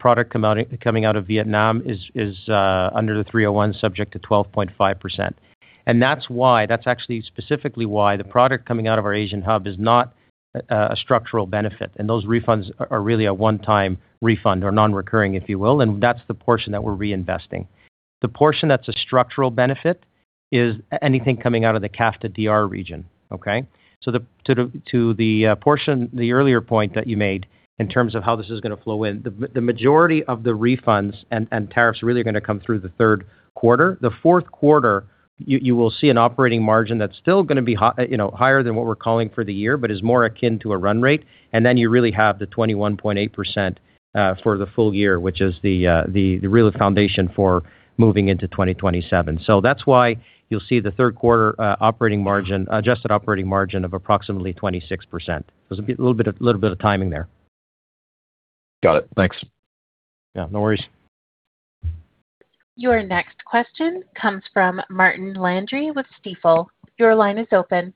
Product coming out of Vietnam is under the Section 301, subject to 12.5%. That's actually specifically why the product coming out of our Asian hub is not a structural benefit, and those refunds are really a one-time refund or non-recurring, if you will. That's the portion that we're reinvesting. The portion that's a structural benefit is anything coming out of the CAFTA-DR region. Okay? To the portion, the earlier point that you made in terms of how this is going to flow in, the majority of the refunds and tariffs really are going to come through the third quarter. The fourth quarter, you will see an operating margin that's still going to be higher than what we're calling for the year, but is more akin to a run rate. You really have the 21.8% for the full year, which is the real foundation for moving into 2027. That's why you'll see the third quarter adjusted operating margin of approximately 26%. There's a little bit of timing there. Got it. Thanks. Yeah, no worries. Your next question comes from Martin Landry with Stifel. Your line is open.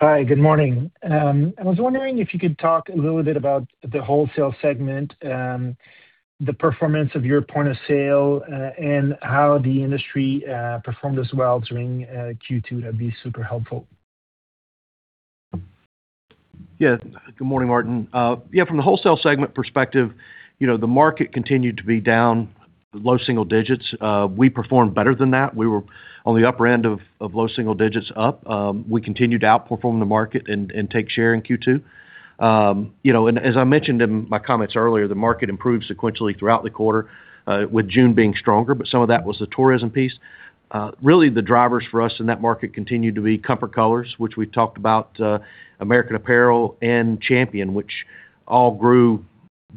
Hi. Good morning. I was wondering if you could talk a little bit about the wholesale segment, the performance of your point of sale, and how the industry performed as well during Q2. That'd be super helpful. Yeah. Good morning, Martin. Yeah, from the wholesale segment perspective, the market continued to be down low single digits. We performed better than that. We were on the upper end of low single digits up. We continued to outperform the market and take share in Q2. As I mentioned in my comments earlier, the market improved sequentially throughout the quarter, with June being stronger, but some of that was the tourism piece. Really, the drivers for us in that market continued to be Comfort Colors, which we talked about, American Apparel, and Champion, which all grew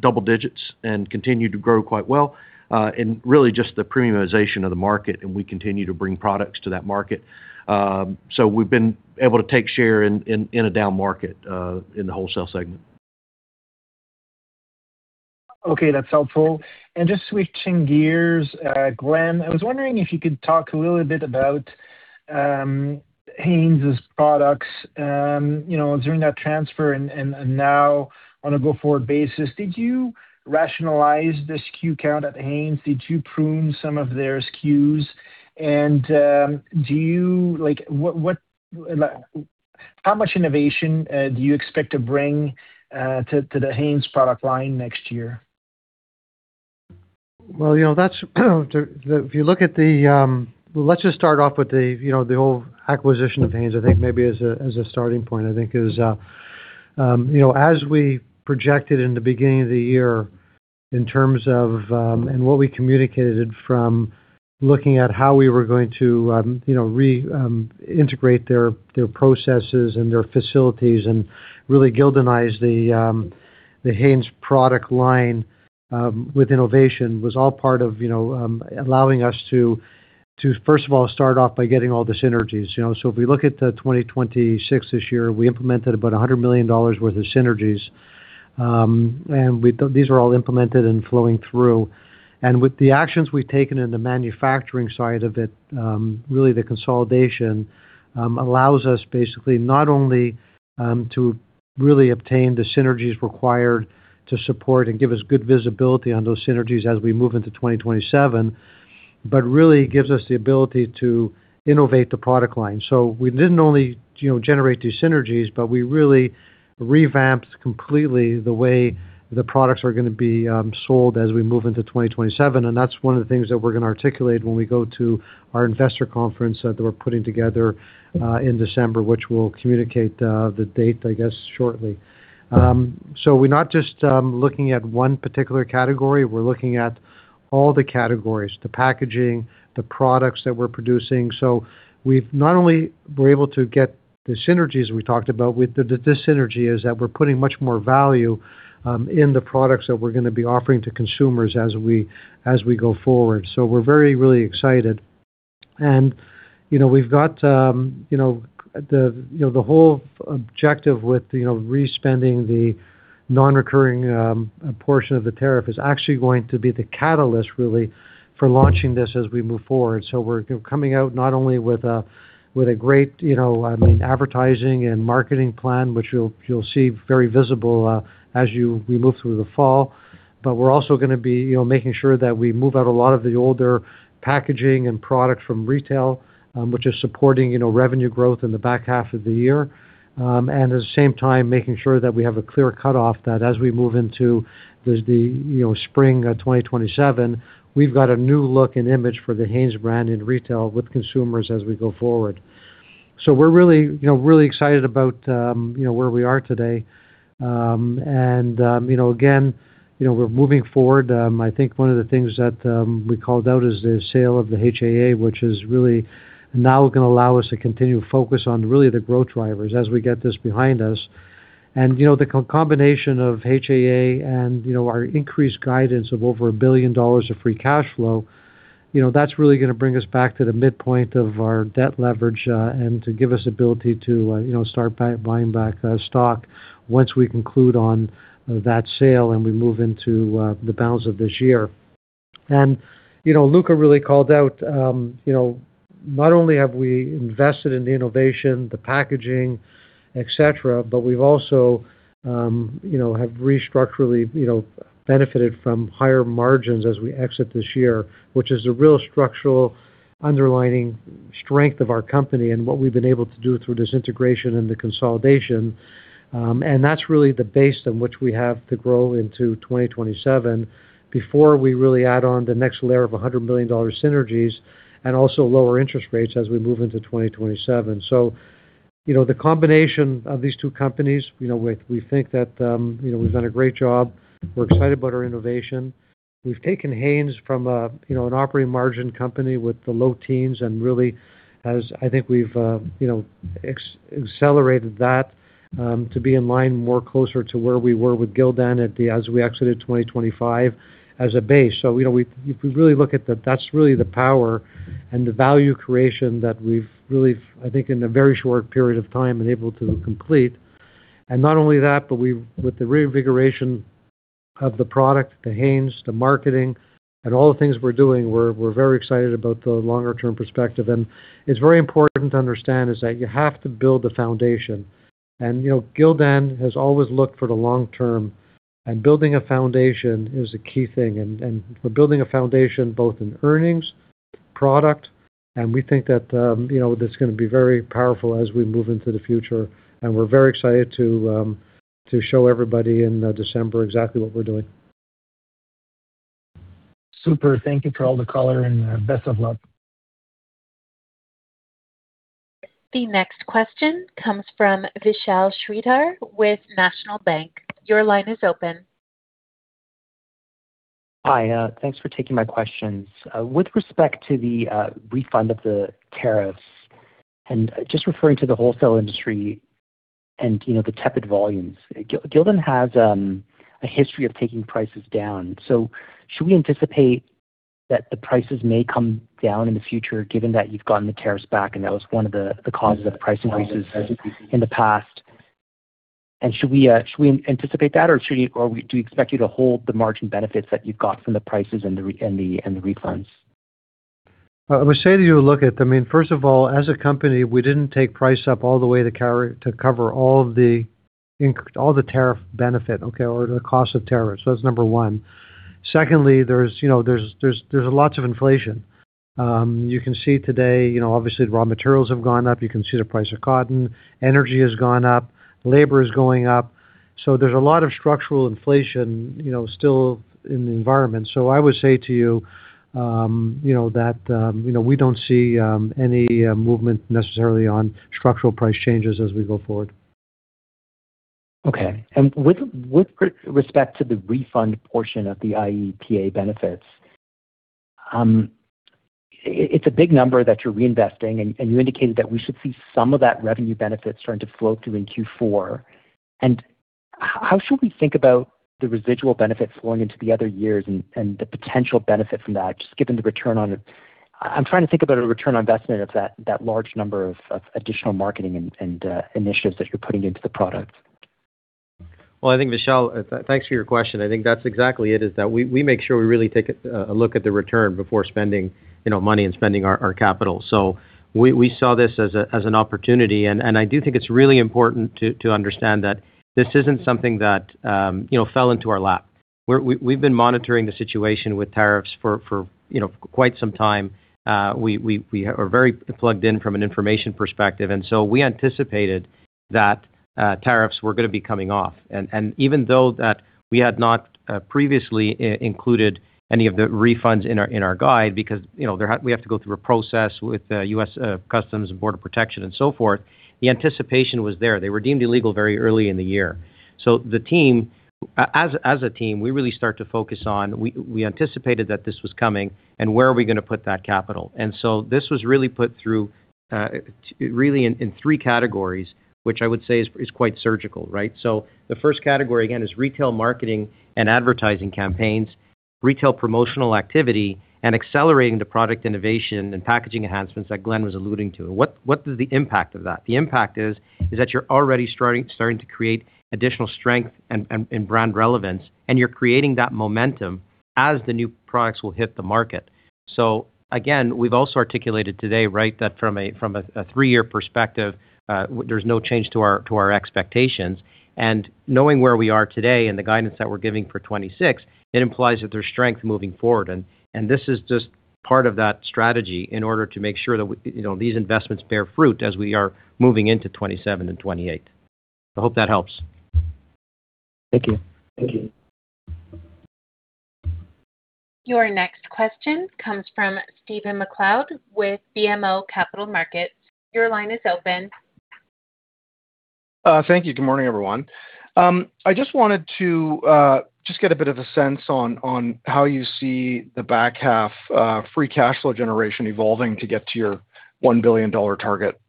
double digits and continued to grow quite well. Really just the premiumization of the market, and we continue to bring products to that market. We've been able to take share in a down market, in the wholesale segment. Okay, that's helpful. Just switching gears. Glenn, I was wondering if you could talk a little bit about Hanes' products, during that transfer and now on a go-forward basis. Did you rationalize the SKU count at Hanes? Did you prune some of their SKUs? How much innovation do you expect to bring to the Hanes product line next year? Well, let's just start off with the whole acquisition of Hanes, I think maybe as a starting point. As we projected in the beginning of the year in terms of what we communicated from looking at how we were going to reintegrate their processes and their facilities and really Gildanize the Hanes product line with innovation was all part of allowing us to first of all start off by getting all the synergies. If we look at the 2026 this year, we implemented about $100 million worth of synergies. These are all implemented and flowing through. With the actions we've taken in the manufacturing side of it, really the consolidation allows us basically not only to really obtain the synergies required to support and give us good visibility on those synergies as we move into 2027 Really gives us the ability to innovate the product line. We didn't only generate these synergies, but we really revamped completely the way the products are going to be sold as we move into 2027. That's one of the things that we're going to articulate when we go to our investor conference that we're putting together in December, which we'll communicate the date, I guess, shortly. We're not just looking at one particular category. We're looking at all the categories, the packaging, the products that we're producing. We not only were able to get the synergies we talked about, with the synergy is that we're putting much more value in the products that we're going to be offering to consumers as we go forward. We're very, really excited. We've got the whole objective with respending the non-recurring portion of the tariff is actually going to be the catalyst, really, for launching this as we move forward. We're coming out not only with a great advertising and marketing plan, which you'll see very visible as we move through the fall, but we're also going to be making sure that we move out a lot of the older packaging and product from retail, which is supporting revenue growth in the back half of the year. At the same time, making sure that we have a clear cutoff that as we move into the spring of 2027, we've got a new look and image for the Hanes brand in retail with consumers as we go forward. We're really excited about where we are today. Again, we're moving forward. I think one of the things that we called out is the sale of the HAA, which is really now going to allow us to continue to focus on really the growth drivers as we get this behind us. The combination of HAA and our increased guidance of over $1 billion of free cash flow, that's really going to bring us back to the midpoint of our debt leverage and to give us ability to start buying back stock once we conclude on that sale and we move into the balance of this year. Luca really called out not only have we invested in the innovation, the packaging, et cetera, but we've also have structurally benefited from higher margins as we exit this year, which is a real structural underlying strength of our company and what we've been able to do through this integration and the consolidation. That's really the base in which we have to grow into 2027 before we really add on the next layer of $100 million synergies and also lower interest rates as we move into 2027. The combination of these two companies, we think that we've done a great job. We're excited about our innovation. We've taken Hanes from an operating margin company with the low teens and really, as I think we've accelerated that to be in line more closer to where we were with Gildan as we exited 2025 as a base. If we really look at that's really the power and the value creation that we've really, I think in a very short period of time, been able to complete. Not only that, but with the reinvigoration of the product, the Hanes, the marketing, and all the things we're doing, we're very excited about the longer-term perspective. It's very important to understand is that you have to build the foundation. Gildan has always looked for the long term, and building a foundation is a key thing. We're building a foundation both in earnings, product, and we think that's going to be very powerful as we move into the future. We're very excited to show everybody in December exactly what we're doing. Super. Thank you for all the color and best of luck. The next question comes from Vishal Shreedhar with National Bank. Your line is open. Hi. Thanks for taking my questions. With respect to the refund of the tariffs, just referring to the wholesale industry and the tepid volumes, Gildan has a history of taking prices down. Should we anticipate that the prices may come down in the future, given that you've gotten the tariffs back and that was one of the causes of price increases in the past? Should we anticipate that, or do we expect you to hold the margin benefits that you've got from the prices and the refunds? I would say to you, First of all, as a company, we didn't take price up all the way to cover all the tariff benefit or the cost of tariff. Secondly, there's lots of inflation. You can see today, obviously, raw materials have gone up. You can see the price of cotton. Energy has gone up. Labor is going up. There's a lot of structural inflation still in the environment. I would say to you that we don't see any movement necessarily on structural price changes as we go forward. Okay. With respect to the refund portion of the IEEPA benefits, it's a big number that you're reinvesting. You indicated that we should see some of that revenue benefit starting to flow through in Q4. How should we think about the residual benefit flowing into the other years and the potential benefit from that, just given the return on it? I'm trying to think about a return on investment of that large number of additional marketing and initiatives that you're putting into the product. Well, I think, Vishal, thanks for your question. I think that's exactly it, is that we make sure we really take a look at the return before spending money and spending our capital. We saw this as an opportunity, and I do think it's really important to understand that this isn't something that fell into our lap. We've been monitoring the situation with tariffs for quite some time. We are very plugged in from an information perspective, we anticipated that tariffs were going to be coming off. Even though that we had not previously included any of the refunds in our guide, because we have to go through a process with U.S. Customs and Border Protection and so forth, the anticipation was there. They were deemed illegal very early in the year. As a team, we really start to focus on, we anticipated that this was coming, and where are we going to put that capital? This was really put through, really in three categories, which I would say is quite surgical, right? The first category, again, is retail marketing and advertising campaigns, retail promotional activity, and accelerating the product innovation and packaging enhancements that Glenn was alluding to. What is the impact of that? The impact is that you're already starting to create additional strength and brand relevance, and you're creating that momentum as the new products will hit the market. Again, we've also articulated today, right, that from a 3-year perspective, there's no change to our expectations. Knowing where we are today and the guidance that we're giving for 2026, it implies that there's strength moving forward. This is just part of that strategy in order to make sure that these investments bear fruit as we are moving into 2027 and 2028. I hope that helps. Thank you. Thank you. Your next question comes from Stephen MacLeod with BMO Capital Markets. Your line is open. Thank you. Good morning, everyone. I wanted to get a bit of a sense on how you see the back half free cash flow generation evolving to get to your $1 billion target.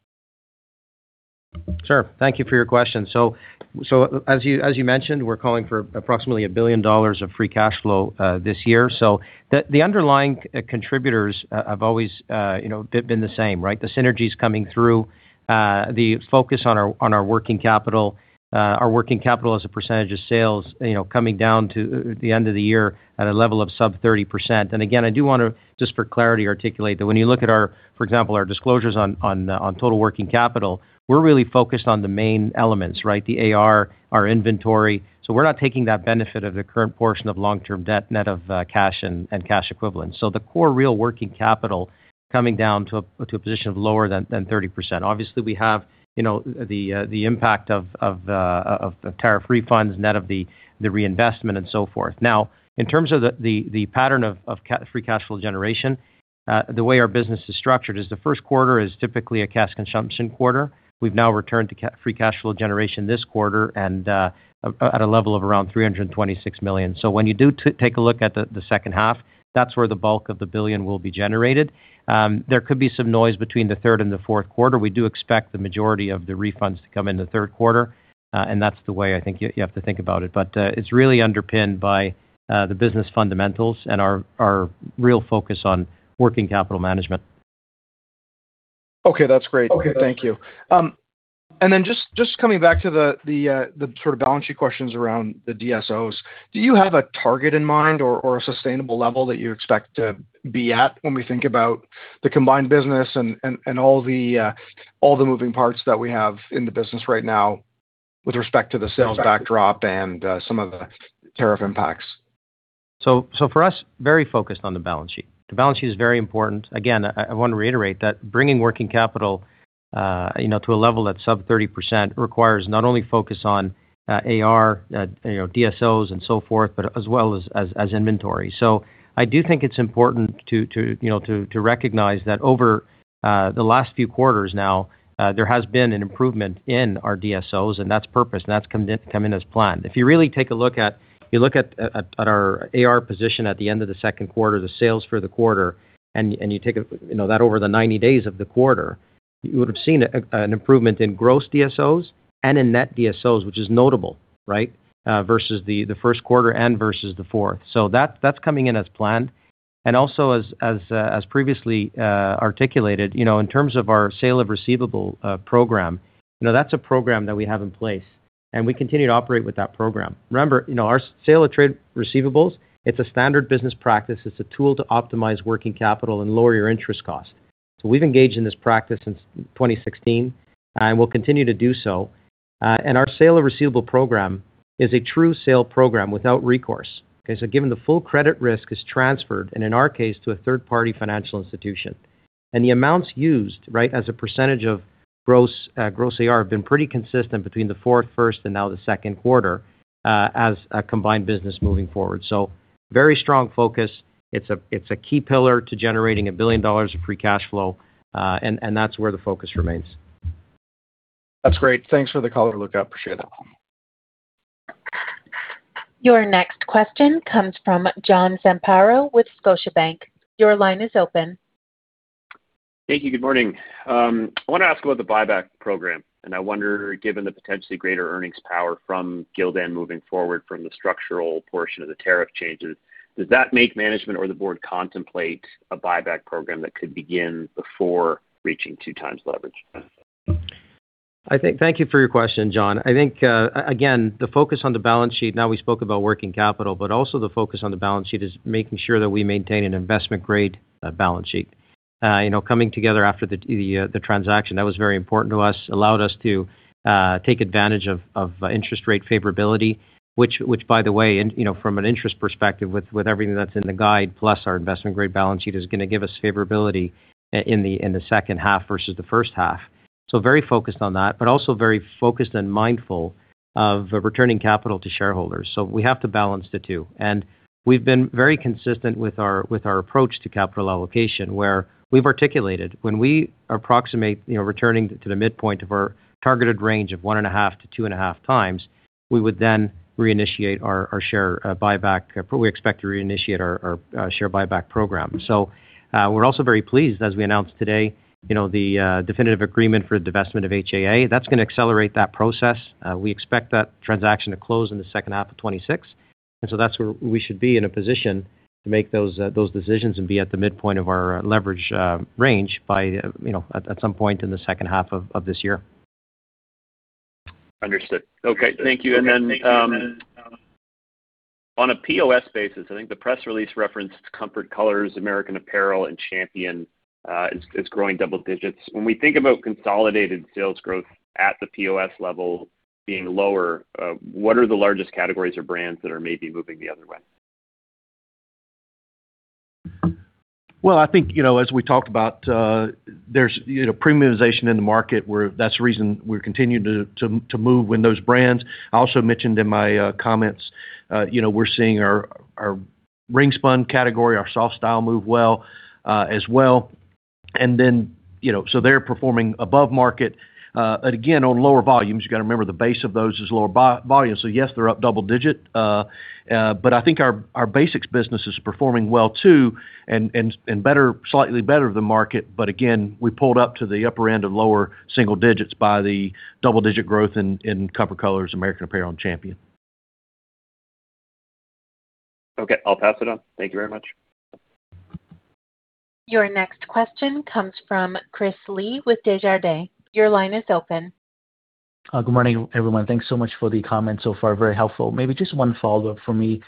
Sure. Thank you for your question. As you mentioned, we're calling for approximately $1 billion of free cash flow this year. The underlying contributors have always been the same, right? The synergies coming through, the focus on our working capital, our working capital as a percentage of sales coming down to the end of the year at a level of sub 30%. Again, I do want to just for clarity, articulate that when you look at our, for example, our disclosures on total working capital, we're really focused on the main elements, right? The AR, our inventory. We're not taking that benefit of the current portion of long-term debt, net of cash and cash equivalents. The core real working capital coming down to a position of lower than 30%. Obviously, we have the impact of tariff refunds, net of the reinvestment and so forth. In terms of the pattern of free cash flow generation, the way our business is structured is the first quarter is typically a cash consumption quarter. We've now returned to free cash flow generation this quarter and at a level of around $326 million. When you do take a look at the second half, that's where the bulk of the $1 billion will be generated. There could be some noise between the third and the fourth quarter. We do expect the majority of the refunds to come in the third quarter. That's the way I think you have to think about it. It's really underpinned by the business fundamentals and our real focus on working capital management. Okay, that's great. Thank you. Then just coming back to the sort of balance sheet questions around the DSOs. Do you have a target in mind or a sustainable level that you expect to be at when we think about the combined business and all the moving parts that we have in the business right now with respect to the sales backdrop and some of the tariff impacts? For us, very focused on the balance sheet. The balance sheet is very important. Again, I want to reiterate that bringing working capital to a level that's sub 30% requires not only focus on AR, DSOs and so forth, but as well as inventory. I do think it's important to recognize that over the last few quarters now, there has been an improvement in our DSOs, and that's purpose, that's come in as planned. If you really take a look at our AR position at the end of the second quarter, the sales for the quarter, and you take that over the 90 days of the quarter, you would have seen an improvement in gross DSOs and in net DSOs, which is notable, right? Versus the first quarter and versus the fourth. That's coming in as planned. Also as previously articulated, in terms of our sale of receivable program, that's a program that we have in place, we continue to operate with that program. Remember, our sale of trade receivables, it's a standard business practice. It's a tool to optimize working capital and lower your interest cost. We've engaged in this practice since 2016, we'll continue to do so. Our sale of receivable program is a true sale program without recourse. Given the full credit risk is transferred, and in our case, to a third party financial institution. The amounts used, right, as a percentage of gross AR have been pretty consistent between the fourth, first, and now the second quarter as a combined business moving forward. Very strong focus. It's a key pillar to generating $1 billion of free cash flow, that's where the focus remains. That's great. Thanks for the color. I really appreciate it. Your next question comes from John Zamparo with Scotiabank. Your line is open. Thank you. Good morning. I want to ask about the buyback program. I wonder, given the potentially greater earnings power from Gildan moving forward from the structural portion of the tariff changes, does that make management or the board contemplate a buyback program that could begin before reaching two times leverage? Thank you for your question, John. I think, again, the focus on the balance sheet. Now we spoke about working capital, but also the focus on the balance sheet is making sure that we maintain an investment-grade balance sheet. Coming together after the transaction, that was very important to us. That allowed us to take advantage of interest rate favorability, which by the way, from an interest perspective, with everything that's in the guide, plus our investment-grade balance sheet, is going to give us favorability in the second half versus the first half. Very focused on that, but also very focused and mindful of returning capital to shareholders. We have to balance the two. We've been very consistent with our approach to capital allocation, where we've articulated when we approximate returning to the midpoint of our targeted range of 1.5x- 2.5x, we would then reinitiate our share buyback. We expect to reinitiate our share buyback program. We're also very pleased, as we announced today, the definitive agreement for the divestment of HAA. That's going to accelerate that process. We expect that transaction to close in the second half of 2026. That's where we should be in a position to make those decisions and be at the midpoint of our leverage range at some point in the second half of this year. Understood. Okay. Thank you. On a POS basis, I think the press release referenced Comfort Colors, American Apparel and Champion as growing double digits. When we think about consolidated sales growth at the POS level being lower, what are the largest categories or brands that are maybe moving the other way? I think, as we talked about, there's premiumization in the market where that's the reason we're continuing to move in those brands. I also mentioned in my comments, we're seeing our ring-spun category, our Softstyle move well as well. They're performing above market. Again, on lower volumes. You got to remember, the base of those is lower volume. Yes, they're up double digit. I think our basics business is performing well, too, and slightly better than market. Again, we pulled up to the upper end of lower single digits by the double-digit growth in Comfort Colors, American Apparel, and Champion. Okay. I'll pass it on. Thank you very much. Your next question comes from Chris Li with Desjardins. Your line is open. Good morning, everyone. Thanks so much for the comments so far. Very helpful. Maybe just one follow-up for me.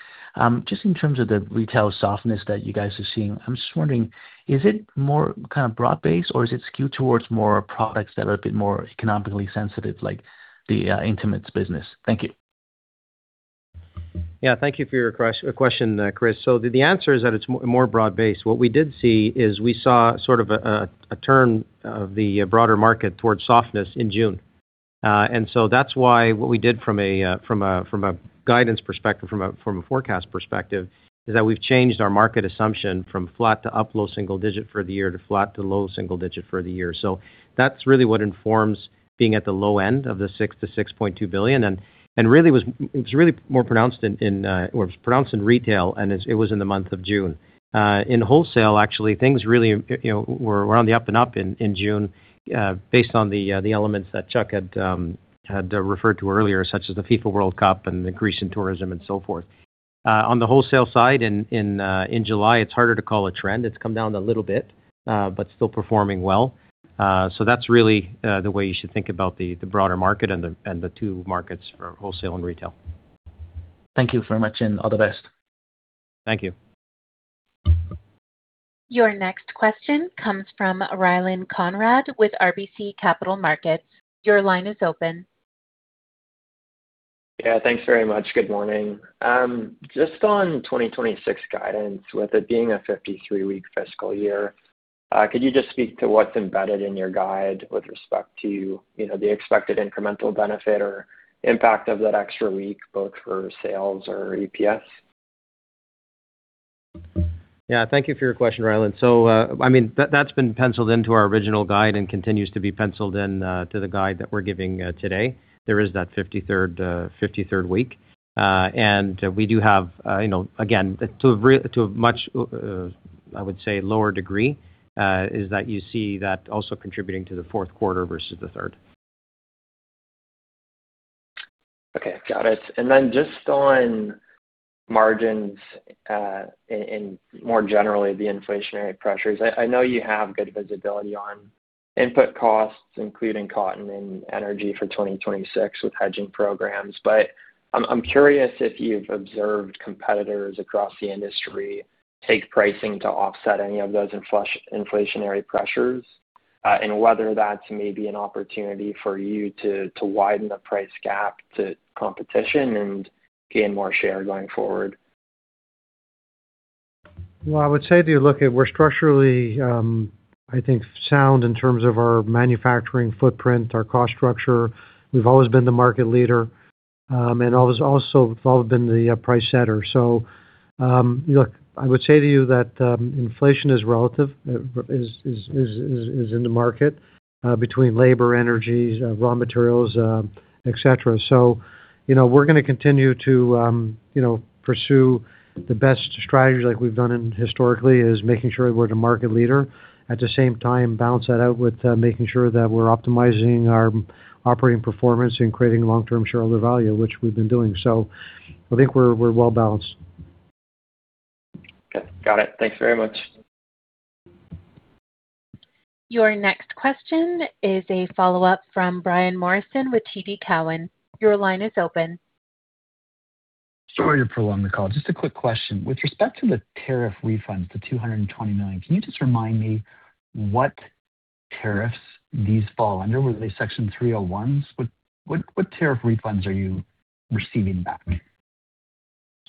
Just in terms of the retail softness that you guys are seeing, I'm just wondering, is it more broad-based or is it skewed towards more products that are a bit more economically sensitive, like the intimates business? Thank you. Thank you for your question, Chris. The answer is that it's more broad-based. What we did see is we saw sort of a turn of the broader market towards softness in June. That's why what we did from a guidance perspective, from a forecast perspective, is that we've changed our market assumption from flat to up low single digit for the year to flat to low single digit for the year. That's really what informs being at the low end of the $6 billion-$6.2 billion, and it was pronounced in retail, and it was in the month of June. In wholesale, actually, things really were on the up and up in June based on the elements that Chuck had referred to earlier, such as the FIFA World Cup and the increase in tourism and so forth. On the wholesale side, in July, it's harder to call a trend. It's come down a little bit, but still performing well. That's really the way you should think about the broader market and the two markets for wholesale and retail. Thank you very much, and all the best. Thank you. Your next question comes from Ryland Conrad with RBC Capital Markets. Your line is open. Yeah. Thanks very much. Good morning. Just on 2026 guidance, with it being a 53 week fiscal year, could you just speak to what's embedded in your guide with respect to the expected incremental benefit or impact of that extra week, both for sales or EPS? Yeah. Thank you for your question, Ryland. That's been penciled into our original guide and continues to be penciled in to the guide that we're giving today. There is that 53rd week. We do have, again, to a much, I would say, lower degree, is that you see that also contributing to the fourth quarter versus the third. Okay. Got it. Just on margins, and more generally, the inflationary pressures. I know you have good visibility on input costs, including cotton and energy for 2026 with hedging programs. I'm curious if you've observed competitors across the industry take pricing to offset any of those inflationary pressures, whether that's maybe an opportunity for you to widen the price gap to competition and gain more share going forward. Well, I would say to you, look, we're structurally, I think, sound in terms of our manufacturing footprint, our cost structure. We've always been the market leader. Also, we've always been the price setter. Look, I would say to you that inflation is relative, is in the market between labor, energy, raw materials, et cetera. We're going to continue to pursue the best strategies like we've done historically, is making sure that we're the market leader. At the same time, balance that out with making sure that we're optimizing our operating performance and creating long-term shareholder value, which we've been doing. I think we're well-balanced. Okay. Got it. Thanks very much. Your next question is a follow-up from Brian Morrison with TD Cowen. Your line is open. Sorry to prolong the call. Just a quick question. With respect to the tariff refunds, the $220 million, can you just remind me what tariffs these fall under? Were they Section 301s? What tariff refunds are you receiving back?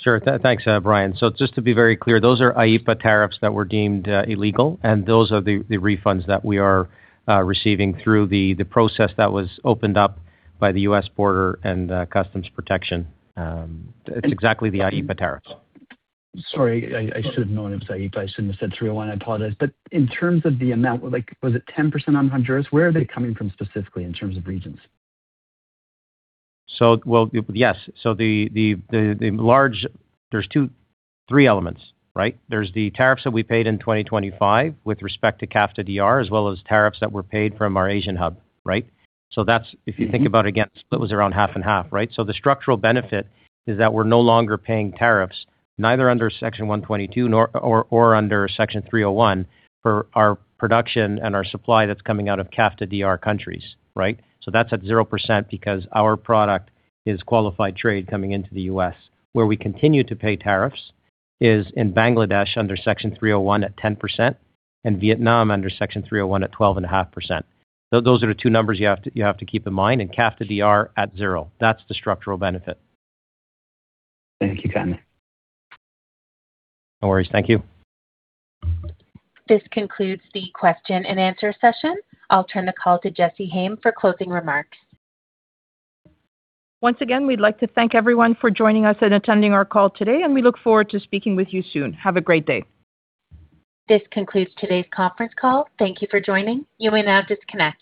Sure. Thanks, Brian. Just to be very clear, those are IEEPA tariffs that were deemed illegal, and those are the refunds that we are receiving through the process that was opened up by the U.S. Customs and Border Protection. It's exactly the IEEPA tariffs. Sorry, I should have known it was IEEPA. I shouldn't have said 301. I apologize. In terms of the amount, was it 10% on Honduras? Where are they coming from specifically in terms of regions? Well, yes. There's three elements, right? There's the tariffs that we paid in 2025 with respect to CAFTA-DR, as well as tariffs that were paid from our Asian hub. Right? If you think about it, again, it was around half and half, right? The structural benefit is that we're no longer paying tariffs, neither under Section 122 nor under Section 301 for our production and our supply that's coming out of CAFTA-DR countries. Right? That's at 0% because our product is qualified trade coming into the U.S. Where we continue to pay tariffs is in Bangladesh under Section 301 at 10% and Vietnam under Section 301 at 12.5%. Those are the two numbers you have to keep in mind and CAFTA-DR at zero. That's the structural benefit. Thank you, Ken. No worries. Thank you. This concludes the question and answer session. I'll turn the call to Jessy Hayem for closing remarks. Once again, we'd like to thank everyone for joining us and attending our call today. We look forward to speaking with you soon. Have a great day. This concludes today's conference call. Thank you for joining. You may now disconnect.